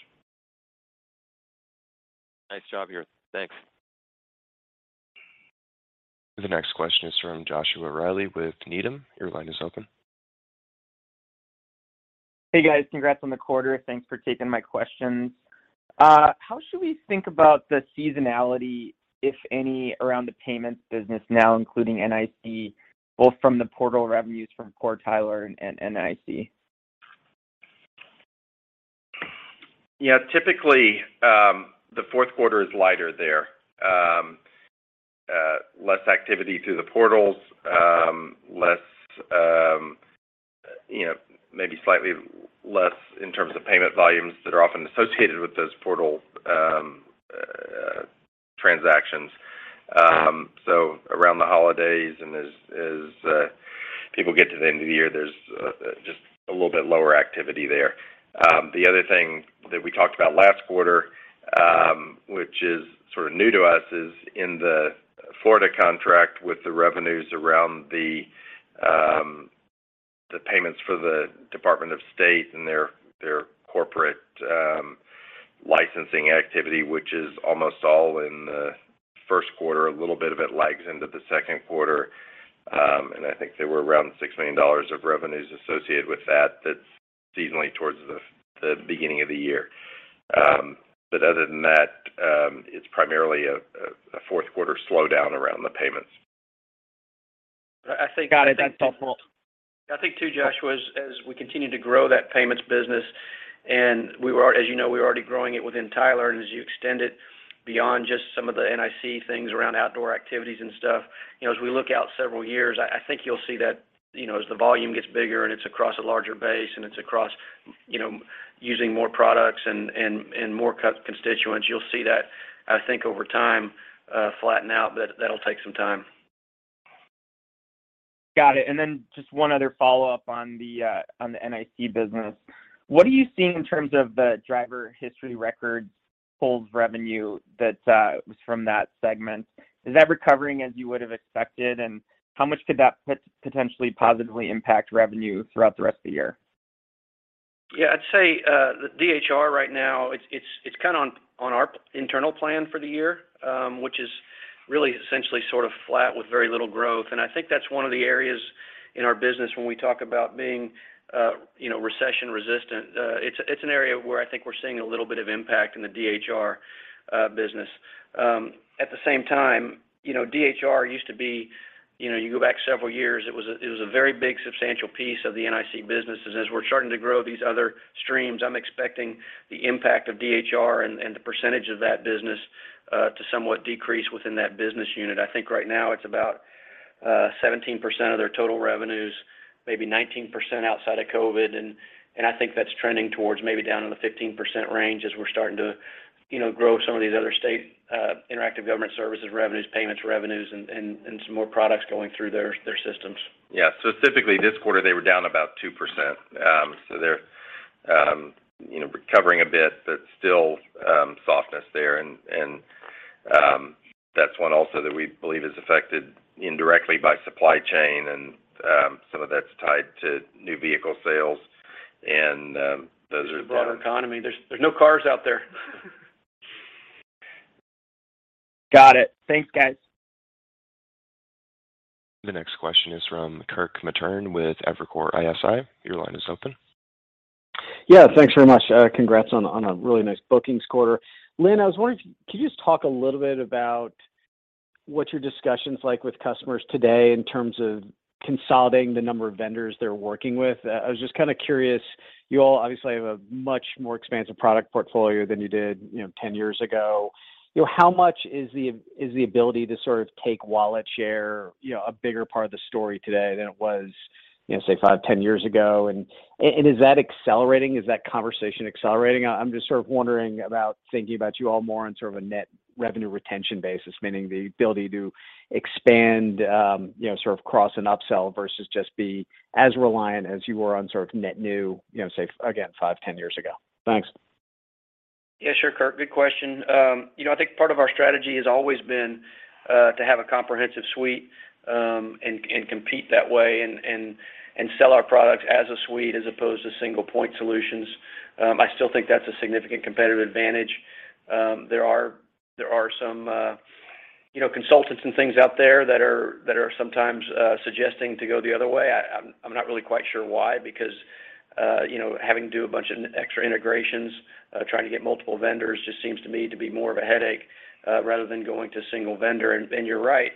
Nice job here. Thanks. The next question is from Joshua Reilly with Needham. Your line is open. Hey, guys. Congrats on the quarter. Thanks for taking my questions. How should we think about the seasonality, if any, around the payments business now including NIC, both from the portal revenues from core Tyler and NIC? Yeah. Typically, the fourth quarter is lighter there. Less activity through the portals, you know, maybe slightly less in terms of payment volumes that are often associated with those portal transactions. Around the holidays and as people get to the end of the year, there's just a little bit lower activity there. The other thing that we talked about last quarter, which is sort of new to us, is in the Florida contract with the revenues around the payments for the Department of State and their corporate licensing activity, which is almost all in the first quarter. A little bit of it lags into the second quarter. I think they were around $6 million of revenues associated with that's seasonally towards the beginning of the year. Other than that, it's primarily a fourth quarter slowdown around the payments. Got it. Thanks, all. I think too, Joshua, as we continue to grow that payments business, and as you know, we're already growing it within Tyler, and as you extend it beyond just some of the NIC things around outdoor activities and stuff, you know, as we look out several years, I think you'll see that, you know, as the volume gets bigger and it's across a larger base and it's across, you know, using more products and more constituents, you'll see that I think over time, flatten out, but that'll take some time. Got it. Just one other follow-up on the NIC business. What are you seeing in terms of the driver history record pulls revenue that was from that segment? Is that recovering as you would have expected? How much could that potentially positively impact revenue throughout the rest of the year? Yeah. I'd say, the DHR right now, it's kind of on our internal plan for the year, which is really essentially sort of flat with very little growth. I think that's one of the areas in our business when we talk about being, you know, recession resistant. It's an area where I think we're seeing a little bit of impact in the DHR business. At the same time, you know, DHR used to be, you know, you go back several years, it was a very big substantial piece of the NIC businesses. As we're starting to grow these other streams, I'm expecting the impact of DHR and the percentage of that business to somewhat decrease within that business unit. I think right now it's about 17% of their total revenues, maybe 19% outside of COVID, and I think that's trending towards maybe down in the 15% range as we're starting to you know grow some of these other state interactive government services revenues, payments revenues, and some more products going through their systems. Yeah. Specifically this quarter, they were down about 2%. They're, you know, recovering a bit, but still, softness there. That's one also that we believe is affected indirectly by supply chain and, some of that's tied to new vehicle sales. It's a broader economy. There's no cars out there. Got it. Thanks, guys. The next question is from Kirk Materne with Evercore ISI. Your line is open. Yeah. Thanks very much. Congrats on a really nice bookings quarter. Lynn, I was wondering, could you just talk a little bit about what your discussion's like with customers today in terms of consolidating the number of vendors they're working with? I was just kind of curious, you all obviously have a much more expansive product portfolio than you did, you know, 10 years ago. You know, how much is the ability to sort of take wallet share, you know, a bigger part of the story today than it was, you know, say five, 10 years ago? Is that accelerating? Is that conversation accelerating? I'm just sort of wondering about thinking about you all more on sort of a net revenue retention basis, meaning the ability to expand, you know, sort of cross and upsell versus just be as reliant as you were on sort of net new, you know, say again five, 10 years ago. Thanks. Yeah, sure, Kirk. Good question. You know, I think part of our strategy has always been to have a comprehensive suite and compete that way and sell our products as a suite as opposed to single point solutions. I still think that's a significant competitive advantage. There are some, you know, consultants and things out there that are sometimes suggesting to go the other way. I'm not really quite sure why because, you know, having to do a bunch of extra integrations, trying to get multiple vendors just seems to me to be more of a headache rather than going to a single vendor. You're right.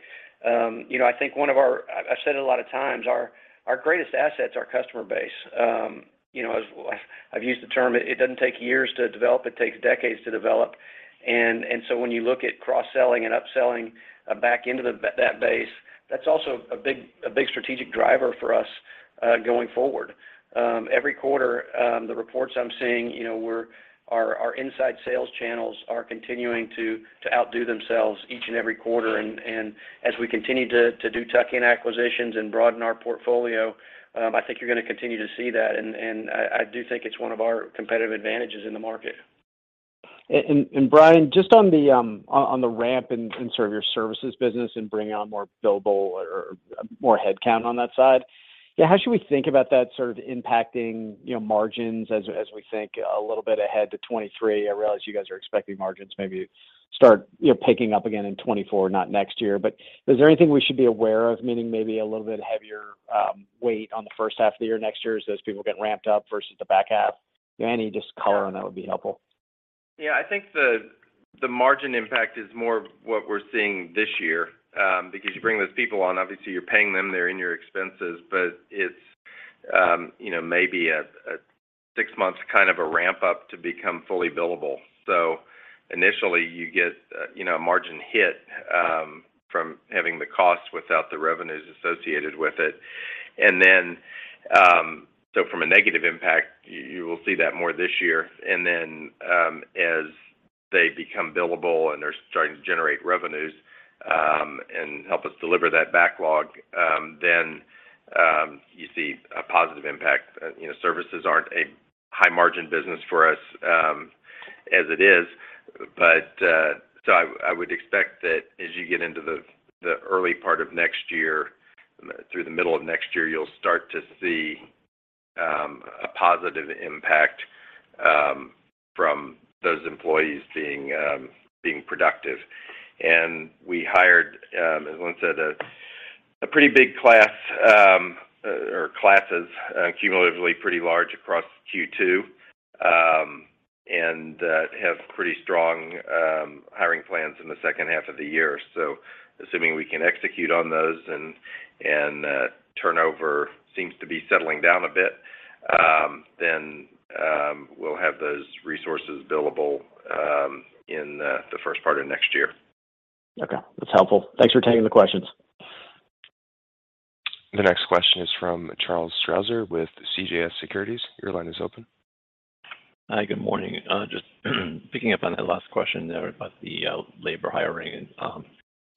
You know, I've said it a lot of times, our greatest asset's our customer base. You know, as I've used the term, it doesn't take years to develop, it takes decades to develop. So when you look at cross-selling and upselling back into that base, that's also a big strategic driver for us going forward. Every quarter, the reports I'm seeing, you know, our inside sales channels are continuing to outdo themselves each and every quarter. As we continue to do tuck-in acquisitions and broaden our portfolio, I think you're gonna continue to see that. I do think it's one of our competitive advantages in the market. Brian, just on the ramp in sort of your services business and bringing on more billable or more headcount on that side. How should we think about that sort of impacting, you know, margins as we think a little bit ahead to 2023? I realize you guys are expecting margins maybe start, you know, picking up again in 2024, not next year. But is there anything we should be aware of, meaning maybe a little bit heavier weight on the first half of the year next year as those people get ramped up versus the back half? Any just color on that would be helpful. Yeah. I think the margin impact is more of what we're seeing this year, because you bring those people on, obviously you're paying them, they're in your expenses, but it's you know, maybe a six months kind of a ramp up to become fully billable. Initially you get, you know, a margin hit from having the costs without the revenues associated with it. From a negative impact, you will see that more this year. Then, as they become billable and they're starting to generate revenues and help us deliver that backlog, then you see a positive impact. You know, services aren't a high margin business for us, as it is. I would expect that as you get into the early part of next year, through the middle of next year, you'll start to see a positive impact from those employees being productive. We hired, as Lynn said, a pretty big class or classes, cumulatively pretty large across Q2, and that have pretty strong hiring plans in the second half of the year. Assuming we can execute on those and turnover seems to be settling down a bit, then we'll have those resources billable in the first part of next year. Okay. That's helpful. Thanks for taking the questions. The next question is from Charles Strauzer with CJS Securities. Your line is open. Hi. Good morning. Just picking up on that last question there about the labor hiring.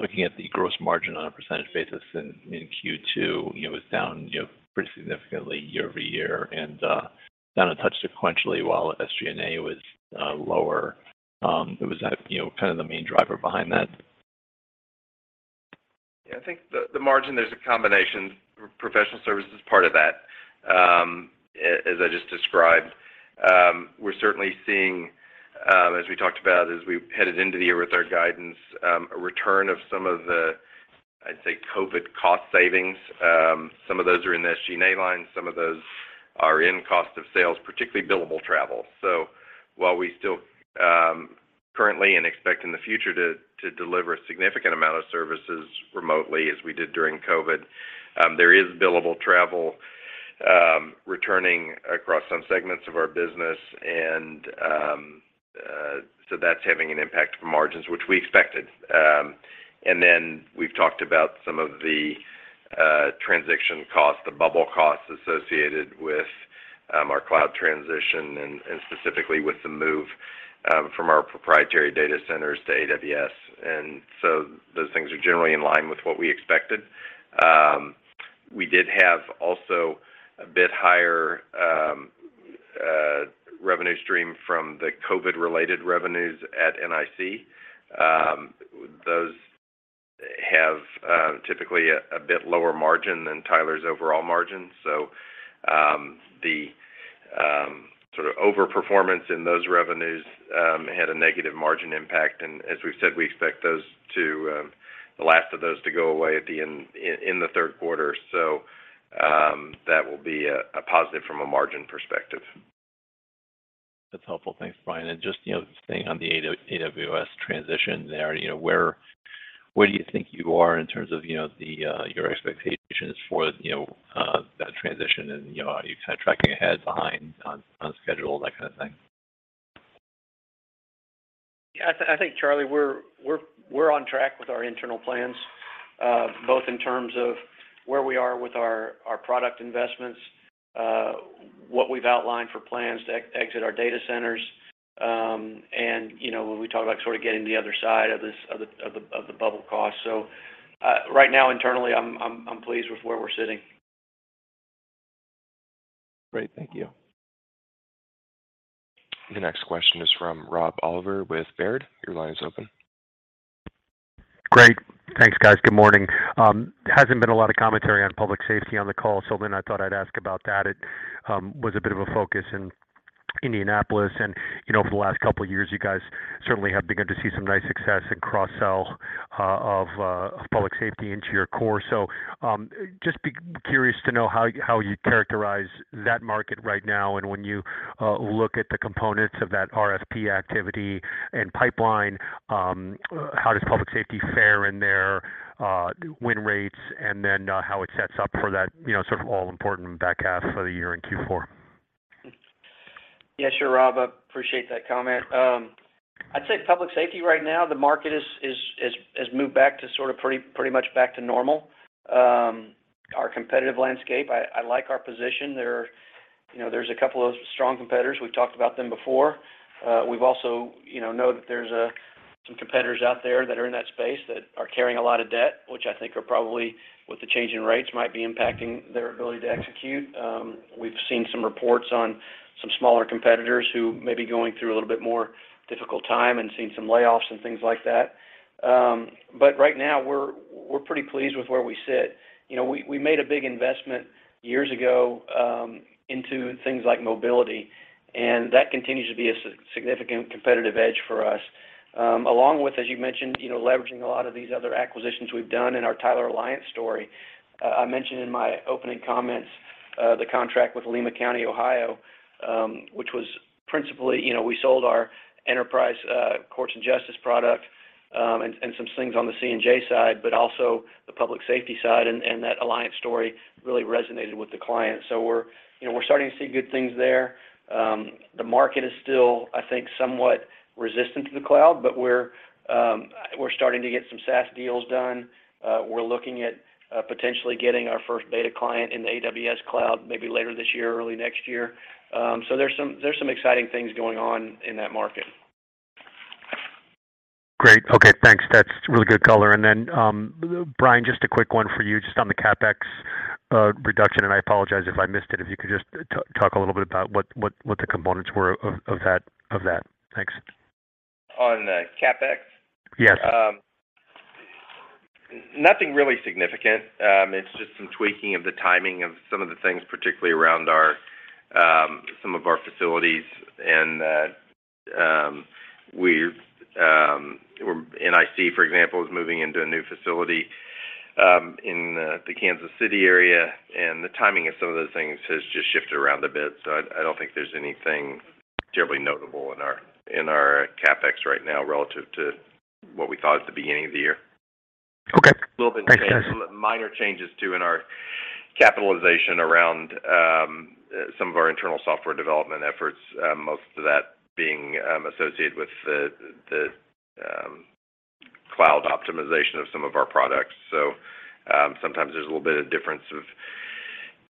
Looking at the gross margin on a percentage basis in Q2, you know, it was down, you know, pretty significantly year-over-year and down a touch sequentially while SG&A was lower. Was that, you know, kind of the main driver behind that? Yeah. I think the margin, there's a combination. Professional service is part of that, as I just described. We're certainly seeing, as we talked about as we headed into the year with our guidance, a return of some of the, I'd say, COVID cost savings. Some of those are in the SG&A line, some of those are in cost of sales, particularly billable travel. So while we still currently and expect in the future to deliver a significant amount of services remotely as we did during COVID, there is billable travel returning across some segments of our business. So that's having an impact on margins, which we expected. We've talked about some of the transition costs, the bubble costs associated with our cloud transition and specifically with the move from our proprietary data centers to AWS. Those things are generally in line with what we expected. We did have also a bit higher revenue stream from the COVID-related revenues at NIC. Those typically a bit lower margin than Tyler's overall margin. The sort of over-performance in those revenues had a negative margin impact. As we've said, we expect the last of those to go away in the third quarter. That will be a positive from a margin perspective. That's helpful. Thanks, Brian. Just, you know, staying on the AWS transition there, you know, where do you think you are in terms of, you know, your expectations for, you know, that transition and, you know, are you kind of tracking ahead, behind, on schedule, that kind of thing? Yeah. I think, Charles, we're on track with our internal plans, both in terms of where we are with our product investments, what we've outlined for plans to exit our data centers, and, you know, when we talk about sort of getting to the other side of this, of the double cost. Right now, internally, I'm pleased with where we're sitting. Great. Thank you. The next question is from Rob Oliver with Baird. Your line is open. Great. Thanks, guys. Good morning. Hasn't been a lot of commentary on public safety on the call, I thought I'd ask about that. It was a bit of a focus in Indianapolis and, you know, over the last couple of years, you guys certainly have begun to see some nice success in cross-sell of public safety into your core. Just be curious to know how you characterize that market right now, and when you look at the components of that RFP activity and pipeline, how does public safety fare in there win rates, and then how it sets up for that, you know, sort of all important back half of the year in Q4? Yeah, sure, Rob. I appreciate that comment. I'd say public safety right now, the market has moved back to sort of pretty much back to normal. Our competitive landscape, I like our position. You know, there's a couple of strong competitors. We've talked about them before. We've also, you know, we know that there's some competitors out there that are in that space that are carrying a lot of debt, which I think are probably, with the change in rates, might be impacting their ability to execute. We've seen some reports on some smaller competitors who may be going through a little bit more difficult time and seen some layoffs and things like that. Right now we're pretty pleased with where we sit. You know, we made a big investment years ago into things like mobility, and that continues to be a significant competitive edge for us. Along with, as you mentioned, you know, leveraging a lot of these other acquisitions we've done in our Tyler Alliance story. I mentioned in my opening comments the contract with Allen County, Ohio, which was principally, you know, we sold our Enterprise Justice product and some things on the C&J side, but also the public safety side, and that Alliance story really resonated with the client. We're, you know, starting to see good things there. The market is still, I think, somewhat resistant to the cloud, but we're starting to get some SaaS deals done. We're looking at potentially getting our first beta client in the AWS cloud, maybe later this year or early next year. There's some exciting things going on in that market. Great. Okay, thanks. That's really good color. Brian, just a quick one for you, just on the CapEx reduction, and I apologize if I missed it. If you could just talk a little bit about what the components were of that. Thanks. On CapEx? Yes. Nothing really significant. It's just some tweaking of the timing of some of the things, particularly around some of our facilities and NIC, for example, is moving into a new facility in the Kansas City area, and the timing of some of those things has just shifted around a bit. I don't think there's anything terribly notable in our CapEx right now relative to what we thought at the beginning of the year. Okay. Great. Thanks. Little bit changes, minor changes, too, in our capitalization around some of our internal software development efforts, most of that being associated with the cloud optimization of some of our products. Sometimes there's a little bit of difference of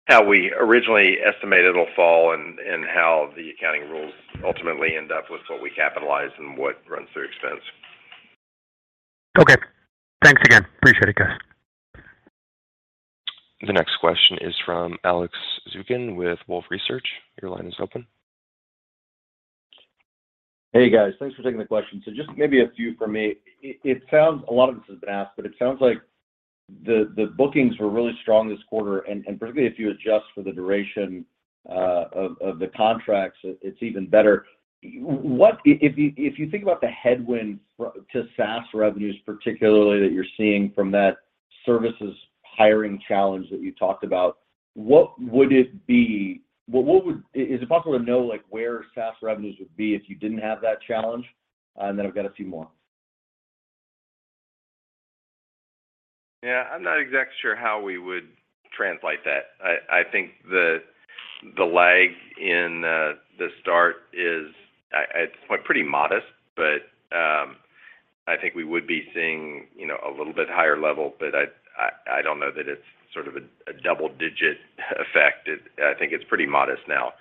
how we originally estimated it'll fall and how the accounting rules ultimately end up with what we capitalize and what runs through expense. Okay. Thanks again. Appreciate it, guys. The next question is from Alex Zukin with Wolfe Research. Your line is open. Hey, guys. Thanks for taking the question. Just maybe a few from me. A lot of this has been asked, but it sounds like the bookings were really strong this quarter, and particularly if you adjust for the duration of the contracts, it's even better. If you think about the headwinds to SaaS revenues particularly that you're seeing from that services hiring challenge that you talked about, what would it be? Is it possible to know, like, where SaaS revenues would be if you didn't have that challenge? I've got a few more. Yeah. I'm not exactly sure how we would translate that. I think the lag in the start is at a point pretty modest, but I think we would be seeing, you know, a little bit higher level, but I don't know that it's sort of a double-digit effect. I think it's pretty modest now.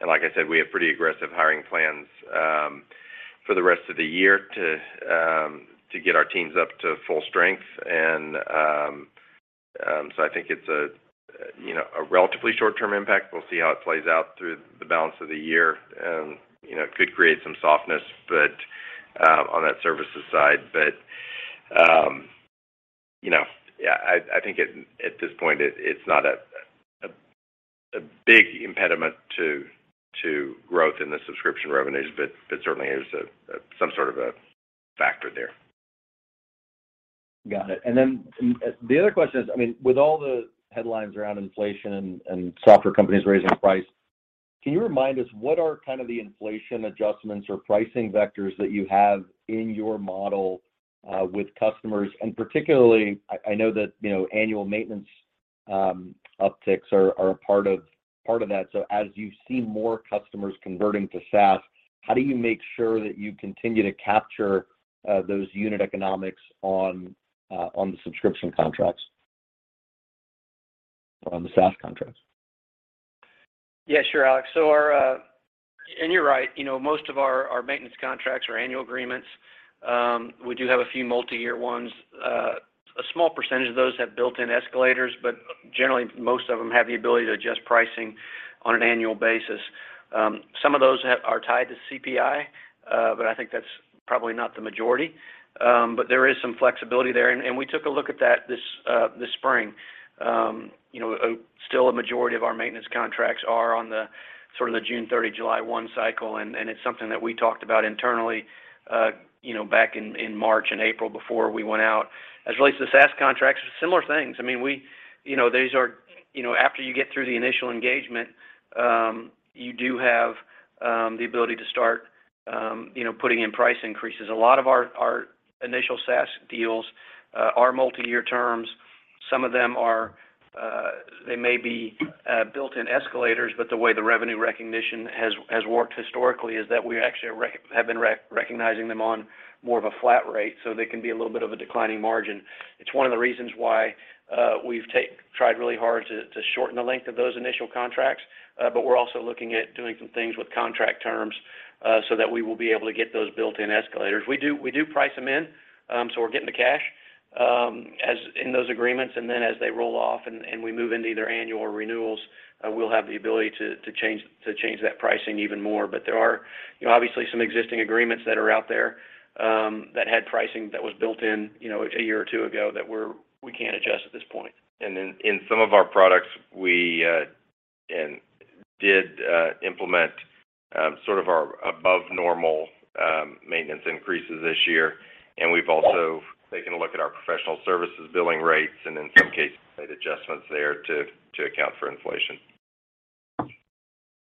And like I said, we have pretty aggressive hiring plans for the rest of the year to get our teams up to full strength and so I think it's a, you know, a relatively short-term impact. We'll see how it plays out through the balance of the year. You know, it could create some softness, but on that services side. You know, yeah, I think at this point it's not a big impediment to growth in the subscription revenues, but it certainly is some sort of a factor there. Got it. The other question is, I mean, with all the headlines around inflation and software companies raising price, can you remind us what are kind of the inflation adjustments or pricing vectors that you have in your model with customers? And particularly, I know that, you know, annual maintenance upticks are a part of that. As you see more customers converting to SaaS, how do you make sure that you continue to capture those unit economics on the subscription contracts? On the SaaS contracts? Yeah, sure, Alex. You're right, you know, most of our maintenance contracts are annual agreements. We do have a few multi-year ones. A small percentage of those have built-in escalators, but generally, most of them have the ability to adjust pricing on an annual basis. Some of those are tied to CPI, but I think that's probably not the majority. But there is some flexibility there and we took a look at that this spring. You know, still a majority of our maintenance contracts are on the sort of the June 30, July 1 cycle, and it's something that we talked about internally, you know, back in March and April before we went out. As it relates to the SaaS contracts, similar things. I mean, we, you know, these are. You know, after you get through the initial engagement, you do have the ability to start you know, putting in price increases. A lot of our initial SaaS deals are multi-year terms. Some of them are they may be built-in escalators, but the way the revenue recognition has worked historically is that we actually have been recognizing them on more of a flat rate, so they can be a little bit of a declining margin. It's one of the reasons why we've tried really hard to shorten the length of those initial contracts, but we're also looking at doing some things with contract terms, so that we will be able to get those built-in escalators. We do price them in, so we're getting the cash as in those agreements, and then as they roll off and we move into either annual or renewals, we'll have the ability to change that pricing even more. But there are, you know, obviously some existing agreements that are out there that had pricing that was built in, you know, a year or two ago that we can't adjust at this point. In some of our products, we did implement sort of our above normal maintenance increases this year. We've also taken a look at our professional services billing rates and in some cases made adjustments there to account for inflation.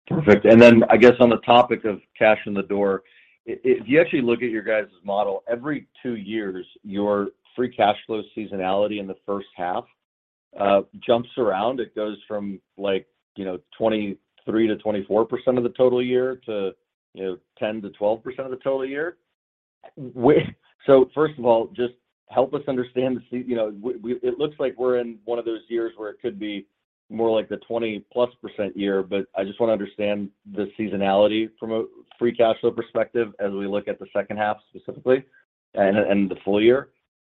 Perfect. Then I guess on the topic of cash in the door, if you actually look at your guys' model, every two years, your free cash flow seasonality in the first half jumps around. It goes from like, you know, 23%-24% of the total year to, you know, 10%-12% of the total year. First of all, just help us understand. You know, it looks like we're in one of those years where it could be more like the 20%+ year, but I just wanna understand the seasonality from a free cash flow perspective as we look at the second half specifically and the full year.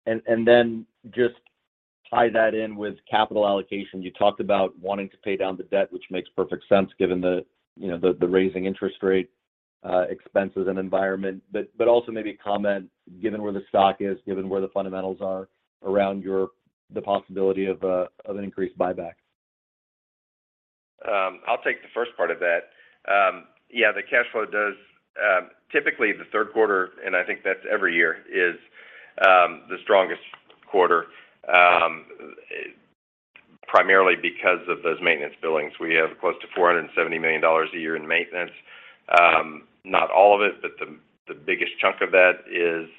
Then just tie that in with capital allocation. You talked about wanting to pay down the debt, which makes perfect sense given the rising interest rate expense and environment. Also maybe comment given where the stock is, given where the fundamentals are around the possibility of an increased buyback. I'll take the first part of that. Yeah, the cash flow does typically the third quarter, and I think that's every year, is the strongest quarter, primarily because of those maintenance billings. We have close to $470 million a year in maintenance. Not all of it, but the biggest chunk of that is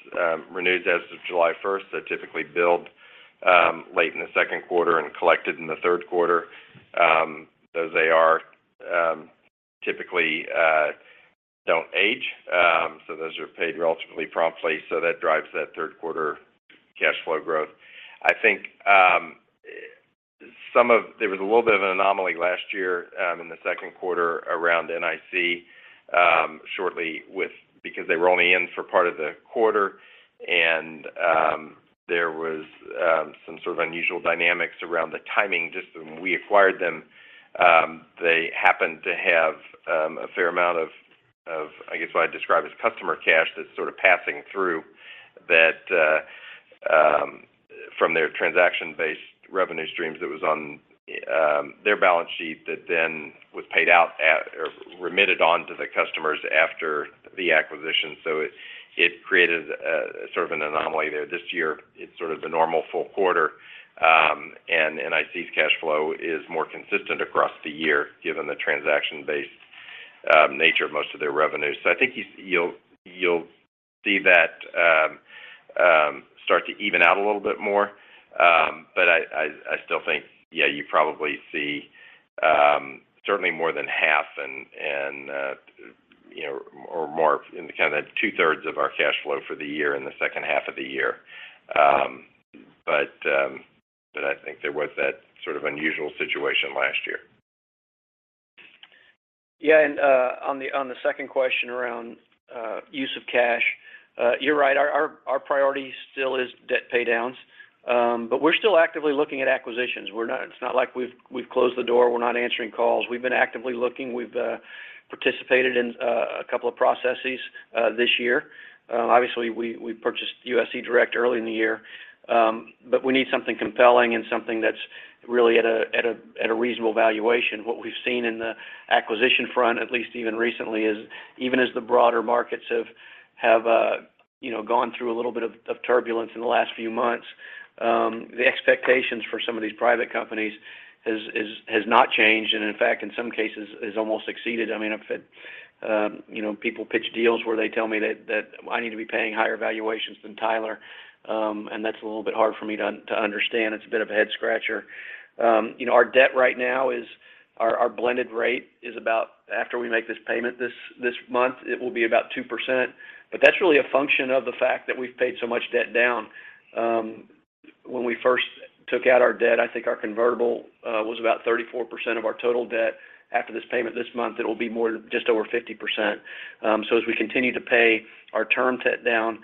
renewed as of July first, so typically billed late in the second quarter and collected in the third quarter. Those A/R typically don't age. So those are paid relatively promptly, so that drives that third quarter cash flow growth. I think some of. There was a little bit of an anomaly last year in the second quarter around NIC because they were only in for part of the quarter and there was some sort of unusual dynamics around the timing just when we acquired them. They happened to have a fair amount of, I guess, what I'd describe as customer cash that's sort of passing through that from their transaction-based revenue streams that was on their balance sheet that then was paid out at or remitted on to the customers after the acquisition. It created a sort of an anomaly there. This year, it's sort of the normal full quarter and NIC's cash flow is more consistent across the year given the transaction-based nature of most of their revenue. I think you'll see that start to even out a little bit more. I still think, yeah, you probably see certainly more than half and you know, or more in the kind of that two-thirds of our cash flow for the year in the second half of the year. I think there was that sort of unusual situation last year. Yeah. On the second question around use of cash, you're right. Our priority still is debt paydowns, but we're still actively looking at acquisitions. It's not like we've closed the door, we're not answering calls. We've been actively looking. We've participated in a couple of processes this year. Obviously we purchased US eDirect early in the year, but we need something compelling and something that's really at a reasonable valuation. What we've seen in the acquisition front, at least even recently, is even as the broader markets have you know gone through a little bit of turbulence in the last few months, the expectations for some of these private companies has not changed, and in fact, in some cases has almost exceeded. I mean, I've had, you know, people pitch deals where they tell me that I need to be paying higher valuations than Tyler, and that's a little bit hard for me to understand. It's a bit of a head-scratcher. You know, our debt right now, our blended rate is about, after we make this payment this month, it will be about 2%, but that's really a function of the fact that we've paid so much debt down. When we first took out our debt, I think our convertible was about 34% of our total debt. After this payment this month, it'll be more, just over 50%. As we continue to pay our term debt down,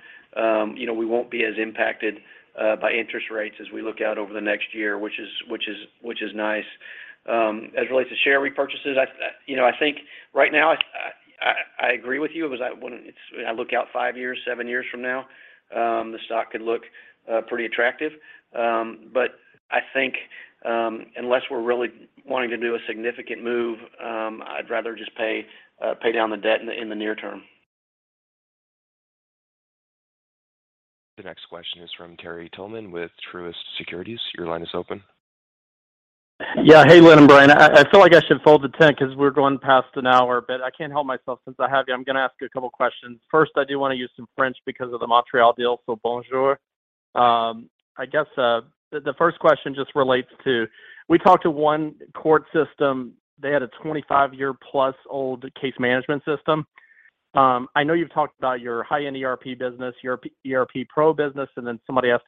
you know, we won't be as impacted by interest rates as we look out over the next year, which is nice. As it relates to share repurchases, you know, I think right now I agree with you, because when I look out five years, seven years from now, the stock could look pretty attractive. I think, unless we're really wanting to do a significant move, I'd rather just pay down the debt in the near term. The next question is from Terry Tillman with Truist Securities. Your line is open. Yeah. Hey, Lynn and Brian. I feel like I should fold the tent 'cause we're going past an hour, but I can't help myself. Since I have you, I'm gonna ask you a couple questions. First, I do wanna use some French because of the Montreal deal, so bonjour. I guess, the first question just relates to we talked to one court system. They had a 25-year-plus-old case management system. I know you've talked about your high-end ERP business, your ERP Pro business, and then Matt asked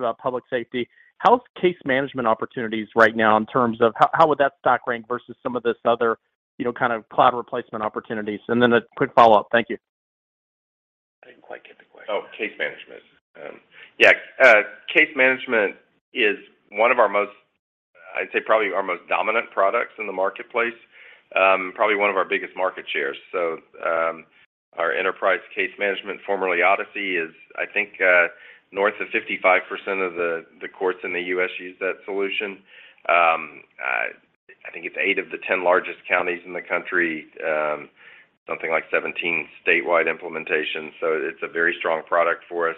about public safety. How is case management opportunities right now in terms of how would that stack rank versus some of this other, you know, kind of cloud replacement opportunities? And then a quick follow-up. Thank you. I didn't quite get the question. Oh, case management. Yeah, case management is one of our most, I'd say, probably our most dominant products in the marketplace, probably one of our biggest market shares. Our enterprise case management, formerly Odyssey, is, I think, north of 55% of the courts in the U.S. use that solution. I think it's eight of the 10 largest counties in the country, something like 17 statewide implementations, so it's a very strong product for us.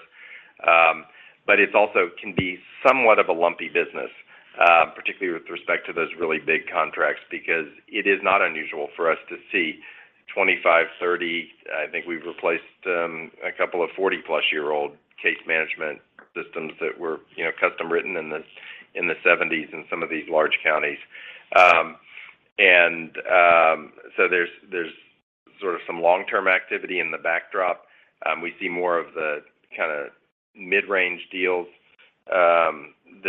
But it also can be somewhat of a lumpy business, particularly with respect to those really big contracts, because it is not unusual for us to see 25, 30. I think we've replaced a couple of 40+ year old case management systems that were, you know, custom written in the 1970s in some of these large counties. There's sort of some long-term activity in the backdrop. We see more of the kinda mid-range deals that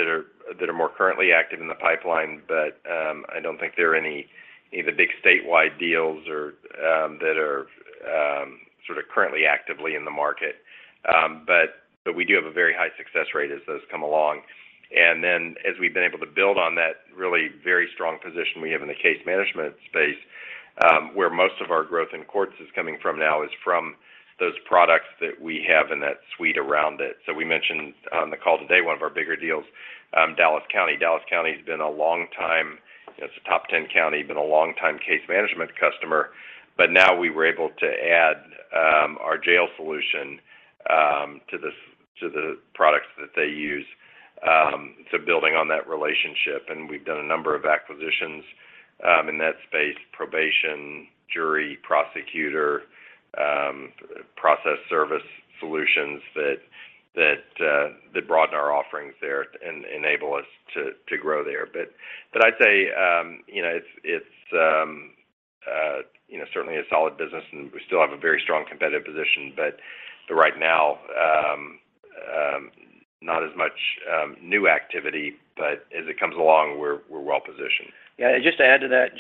are more currently active in the pipeline. I don't think there are any of the big statewide deals or that are sort of currently actively in the market. We do have a very high success rate as those come along. As we've been able to build on that really very strong position we have in the case management space, where most of our growth in courts is coming from now is from those products that we have in that suite around it. We mentioned on the call today one of our bigger deals, Dallas County. Dallas County has been a long time, you know, it's a top ten county, been a long time case management customer. Now we were able to add our jail solution to the products that they use, so building on that relationship, and we've done a number of acquisitions in that space, probation, jury, prosecutor, process service solutions that broaden our offerings there and enable us to grow there. I'd say, you know, it's you know, certainly a solid business, and we still have a very strong competitive position. Right now, not as much new activity, but as it comes along, we're well positioned. Yeah, just to add to that,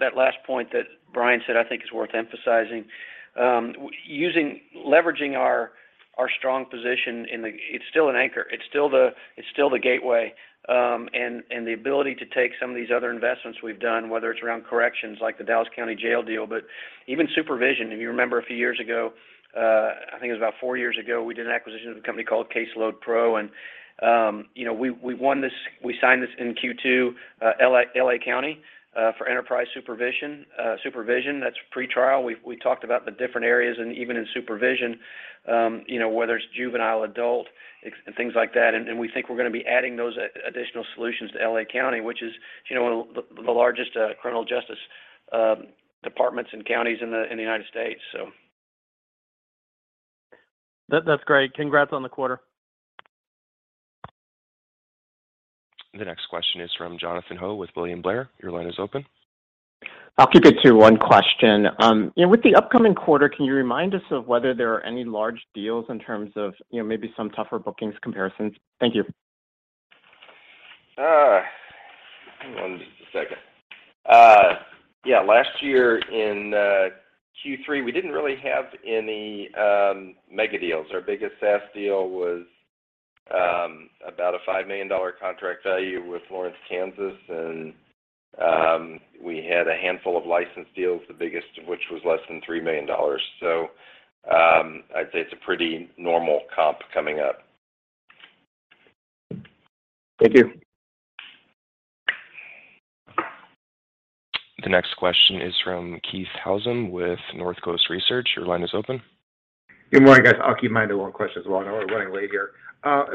that last point that Brian said I think is worth emphasizing. Leveraging our strong position in the, it's still an anchor. It's still the gateway, and the ability to take some of these other investments we've done, whether it's around corrections like the Dallas County Jail deal, but even supervision. If you remember a few years ago, I think it was about four years ago, we did an acquisition of a company called CaseloadPRO, and you know, we signed this in Q2, L.A. County, for Enterprise Supervision. Supervision, that's pre-trial. We talked about the different areas and even in supervision, you know, whether it's juvenile, adult, and things like that. We think we're gonna be adding those additional solutions to L.A. County, which is, you know, one of the largest criminal justice departments and counties in the United States. That's great. Congrats on the quarter. The next question is from Jonathan Ho with William Blair. Your line is open. I'll keep it to one question. You know, with the upcoming quarter, can you remind us of whether there are any large deals in terms of, you know, maybe some tougher bookings comparisons? Thank you. Hold on just a second. Yeah, last year in Q3, we didn't really have any mega deals. Our biggest SaaS deal was about a $5 million contract value with Lawrence, Kansas. We had a handful of license deals, the biggest of which was less than $3 million. I'd say it's a pretty normal comp coming up. Thank you. The next question is from Keith Housum with Northcoast Research. Your line is open. Good morning, guys. I'll keep my one question as well. I know we're running late here.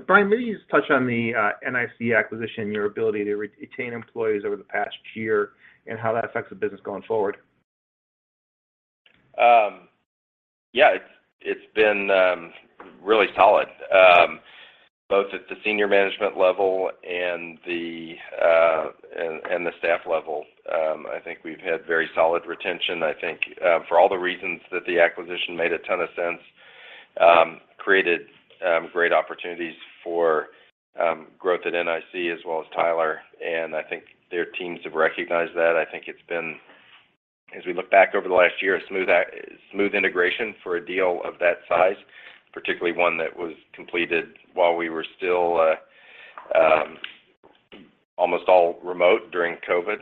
Brian, maybe just touch on the NIC acquisition, your ability to retain employees over the past year and how that affects the business going forward. Yeah, it's been really solid. Both at the senior management level and the staff level. I think we've had very solid retention. I think for all the reasons that the acquisition made a ton of sense, created great opportunities for growth at NIC as well as Tyler. I think their teams have recognized that. I think it's been, as we look back over the last year, a smooth integration for a deal of that size, particularly one that was completed while we were still almost all remote during COVID.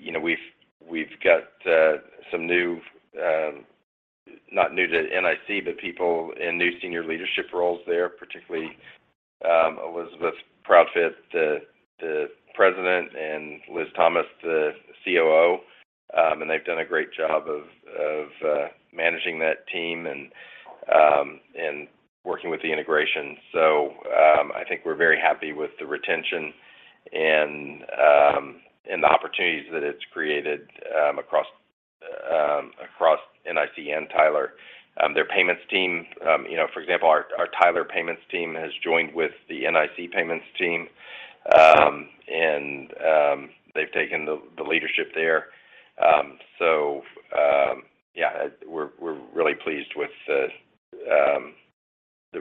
You know, we've got some new, not new to NIC, but people in new senior leadership roles there, particularly Elizabeth Proudfit, the President, and Liz Thomas, the COO. They've done a great job of managing that team and working with the integration. I think we're very happy with the retention and the opportunities that it's created across NIC and Tyler. Their payments team, you know, for example, our Tyler payments team has joined with the NIC payments team. They've taken the leadership there. Yeah, we're really pleased with the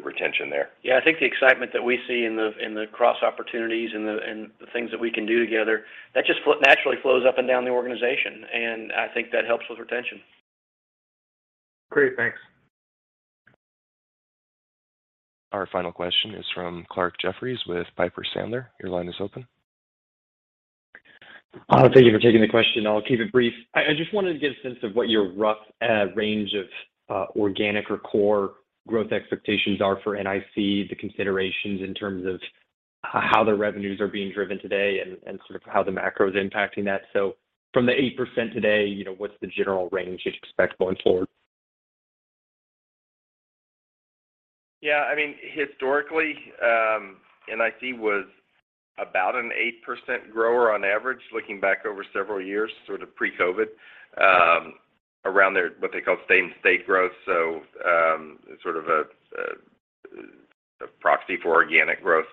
retention there. Yeah, I think the excitement that we see in the cross opportunities and the things that we can do together that just naturally flows up and down the organization, and I think that helps with retention. Great. Thanks. Our final question is from Clarke Jeffries with Piper Sandler. Your line is open. Thank you for taking the question. I'll keep it brief. I just wanted to get a sense of what your rough range of organic or core growth expectations are for NIC, the considerations in terms of how their revenues are being driven today and sort of how the macro is impacting that. From the 8% today, you know, what's the general range that you expect going forward? Yeah, I mean, historically, NIC was about an 8% grower on average, looking back over several years, sort of pre-COVID, around their, what they call same state growth. Sort of a proxy for organic growth.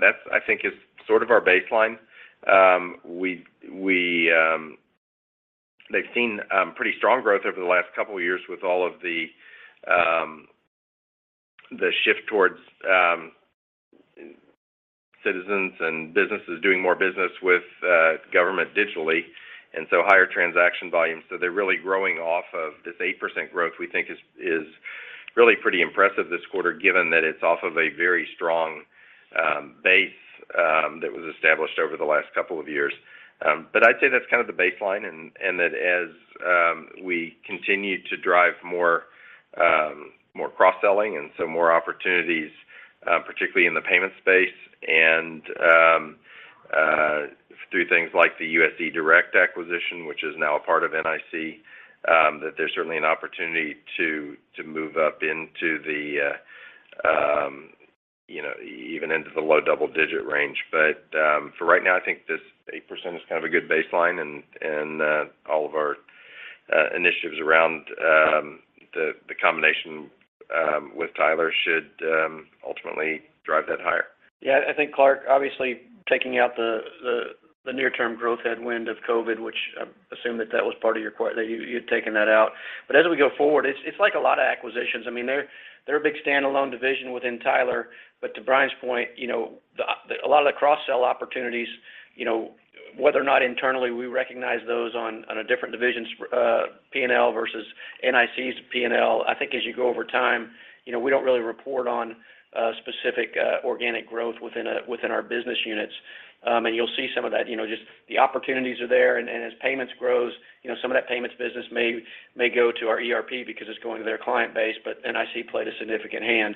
That's, I think, our baseline. They've seen pretty strong growth over the last couple of years with all of the shift towards, citizens and businesses doing more business with government digitally, and higher transaction volumes. They're really growing off of this 8% growth we think is really pretty impressive this quarter, given that it's off of a very strong base that was established over the last couple of years. I'd say that's kind of the baseline and that as we continue to drive more cross-selling and so more opportunities, particularly in the payment space and through things like the US eDirect acquisition, which is now a part of NIC, that there's certainly an opportunity to move up into the you know even into the low double-digit range. For right now, I think this 8% is kind of a good baseline and all of our initiatives around the combination with Tyler should ultimately drive that higher. Yeah, I think, Clark, obviously, taking out the near term growth headwind of COVID, which I assume that was part of your question that you'd taken that out. As we go forward, it's like a lot of acquisitions. I mean, they're a big standalone division within Tyler. To Brian's point, you know, a lot of the cross-sell opportunities, you know, whether or not internally we recognize those on a different division's P&L versus NIC's P&L, I think as you go over time, you know, we don't really report on specific organic growth within our business units. You'll see some of that, you know, just the opportunities are there. As payments grows, you know, some of that payments business may go to our ERP because it's going to their client base. NIC played a significant hand,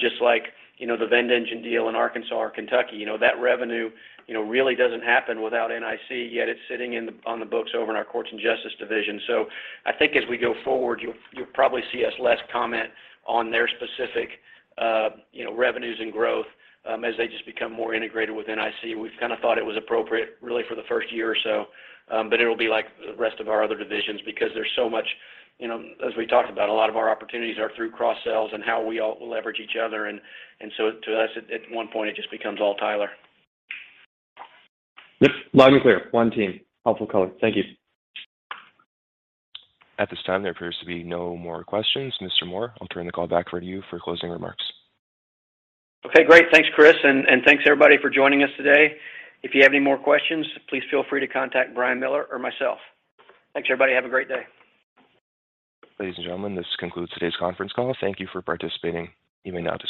just like, you know, the VendEngine deal in Arkansas or Kentucky. You know, that revenue, you know, really doesn't happen without NIC, yet it's sitting on the books over in our Courts and Justice division. I think as we go forward, you'll probably see us less comment on their specific, you know, revenues and growth, as they just become more integrated with NIC. We've kind of thought it was appropriate really for the first year or so. It'll be like the rest of our other divisions because there's so much, you know, as we talked about, a lot of our opportunities are through cross-sells and how we all leverage each other. To us, at one point, it just becomes all Tyler. Yep. Loud and clear. One team. Helpful color. Thank you. At this time, there appears to be no more questions. Mr. Moore, I'll turn the call back over to you for closing remarks. Okay, great. Thanks, Chris, and thanks everybody for joining us today. If you have any more questions, please feel free to contact Brian Miller or myself. Thanks, everybody. Have a great day. Ladies and gentlemen, this concludes today's conference call. Thank you for participating. You may now disconnect.